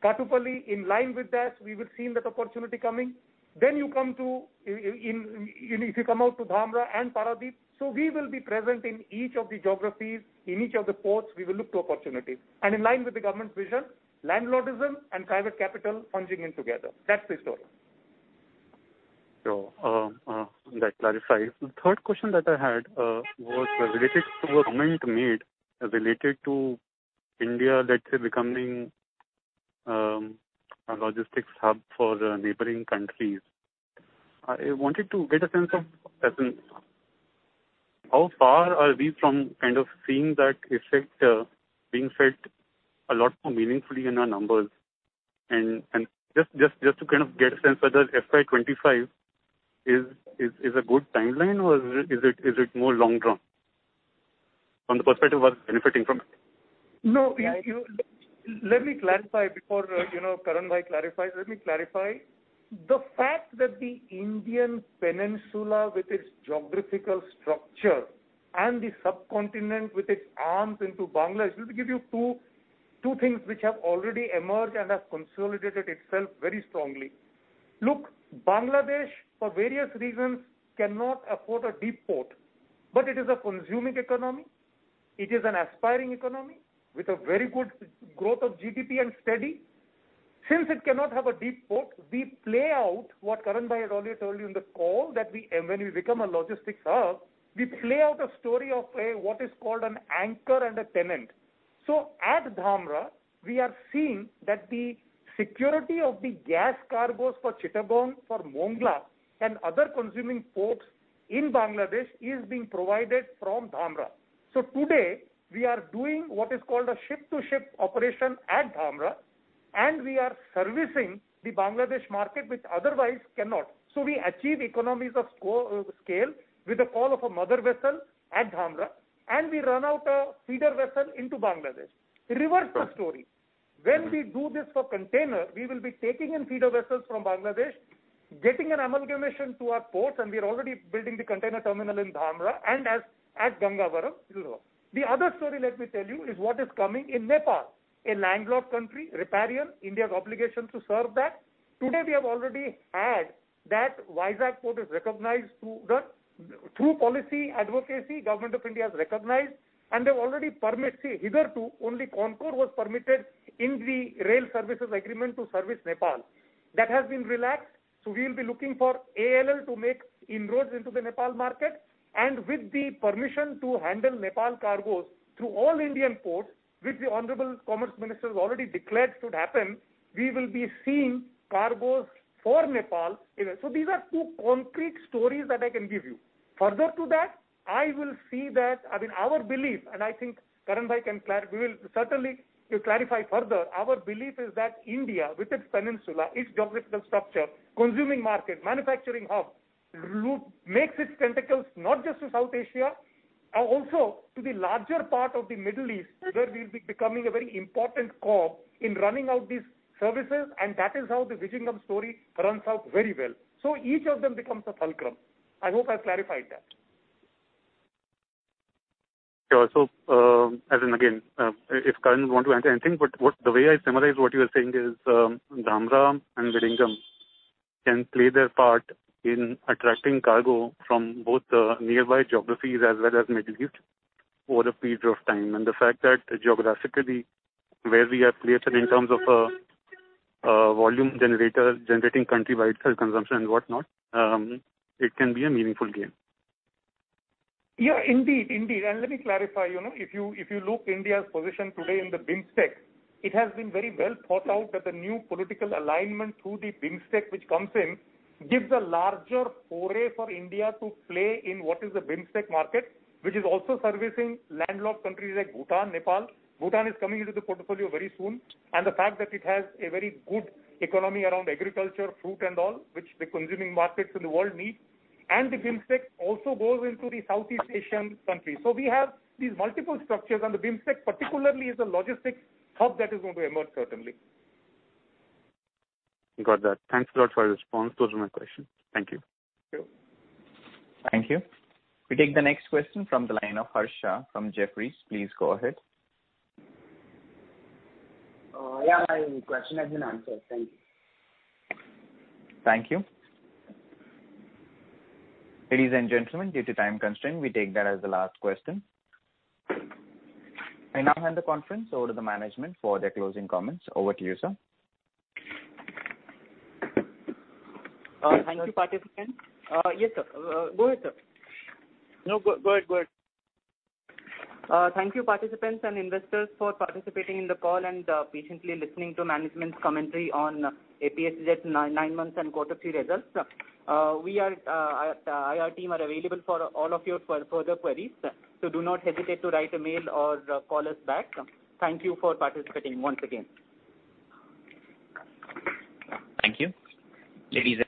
Kattupalli, in line with that, we have seen that opportunity coming. You come to, if you come out to Dhamra and Paradip. We will be present in each of the geographies, in each of the ports, we will look to opportunities. In line with the government's vision, landlordism and private capital funding in together. That's the story. Sure. That clarifies. The third question that I had was related to a comment made related to India, let's say, becoming a logistics hub for the neighboring countries. I wanted to get a sense of as in how far are we from seeing that effect being felt a lot more meaningfully in our numbers? Just to get a sense of whether FY 2025 is a good timeline or is it more long-term from the perspective of us benefiting from it? No. Before Karan clarifies, let me clarify. The fact that the Indian peninsula with its geographical structure and the subcontinent with its arms into Bangladesh, let me give you two things which have already emerged and have consolidated itself very strongly. Look, Bangladesh for various reasons cannot afford a deep port, but it is a consuming economy. It is an aspiring economy with a very good growth of GDP and steady. Since it cannot have a deep port, we play out what Karan has already told you in the call that we, when we become a logistics hub, we play out a story of, A, what is called an anchor and a tenant. At Dhamra, we are seeing that the security of the gas cargos for Chittagong, for Mongla, and other consuming ports in Bangladesh is being provided from Dhamra. Today, we are doing what is called a ship-to-ship operation at Dhamra, and we are servicing the Bangladesh market, which otherwise cannot. We achieve economies of scale with the call of a mother vessel at Dhamra, and we run out a feeder vessel into Bangladesh. Reverse the story. When we do this for container, we will be taking in feeder vessels from Bangladesh, getting an amalgamation to our ports, and we are already building the container terminal in Dhamra and at Gangavaram. The other story, let me tell you, is what is coming in Nepal, a landlocked country, riparian, India's obligation to serve that. Today, we have already had that Visakhapatnam Port is recognized through policy advocacy. Government of India has recognized, and they've already permitted. You see, hitherto, only Concor was permitted in the rail services agreement to service Nepal. That has been relaxed, so we'll be looking for ALL to make inroads into the Nepal market. With the permission to handle Nepal cargoes through all Indian ports, which the Honorable Commerce Minister has already declared should happen, we will be seeing cargoes for Nepal. These are two concrete stories that I can give you. Further to that, I will see that, our belief, and I think Karan we will certainly clarify further. Our belief is that India, with its peninsula, its geographical structure, consuming market, manufacturing hub, route, makes its tentacles not just to South Asia, also to the larger part of the Middle East, where we'll be becoming a very important hub in running out these services, and that is how the Vizag story runs out very well. Each of them becomes a fulcrum. I hope I've clarified that. Sure. As in again, if Karan want to add anything, but the way I summarize what you are saying is, Dhamra and Vizag can play their part in attracting cargo from both nearby geographies as well as Middle East over a period of time. The fact that geographically where we are placed and in terms of volume generator, generating country by itself, consumption and whatnot, it can be a meaningful gain. Yes, indeed. Let me clarify, if you look at India's position today in the BIMSTEC, it has been very well thought out that the new political alignment through the BIMSTEC which comes in gives a larger foray for India to play in what is the BIMSTEC market, which is also servicing landlocked countries like Bhutan, Nepal. Bhutan is coming into the portfolio very soon, and the fact that it has a very good economy around agriculture, fruit and all, which the consuming markets in the world need. The BIMSTEC also goes into the Southeast Asian countries. We have these multiple structures, and the BIMSTEC particularly is a logistics hub that is going to emerge certainly. Got that. Thanks a lot for your response. Those were my questions. Thank you. Thank you. Thank you. We take the next question from the line of Harsha from Jefferies. Please go ahead. Yes. My question has been answered. Thank you. Thank you. Ladies and gentlemen, due to time constraint, we take that as the last question. I now hand the conference over to the management for their closing comments. Over to you, sir. Thank you, participants and investors for participating in the call and patiently listening to management's commentary on APSEZ nine months and Q3 results. Our team are available for all of your further queries, so do not hesitate to write a mail or call us back. Thank you for participating once again. Thank you, ladies and gentlemen.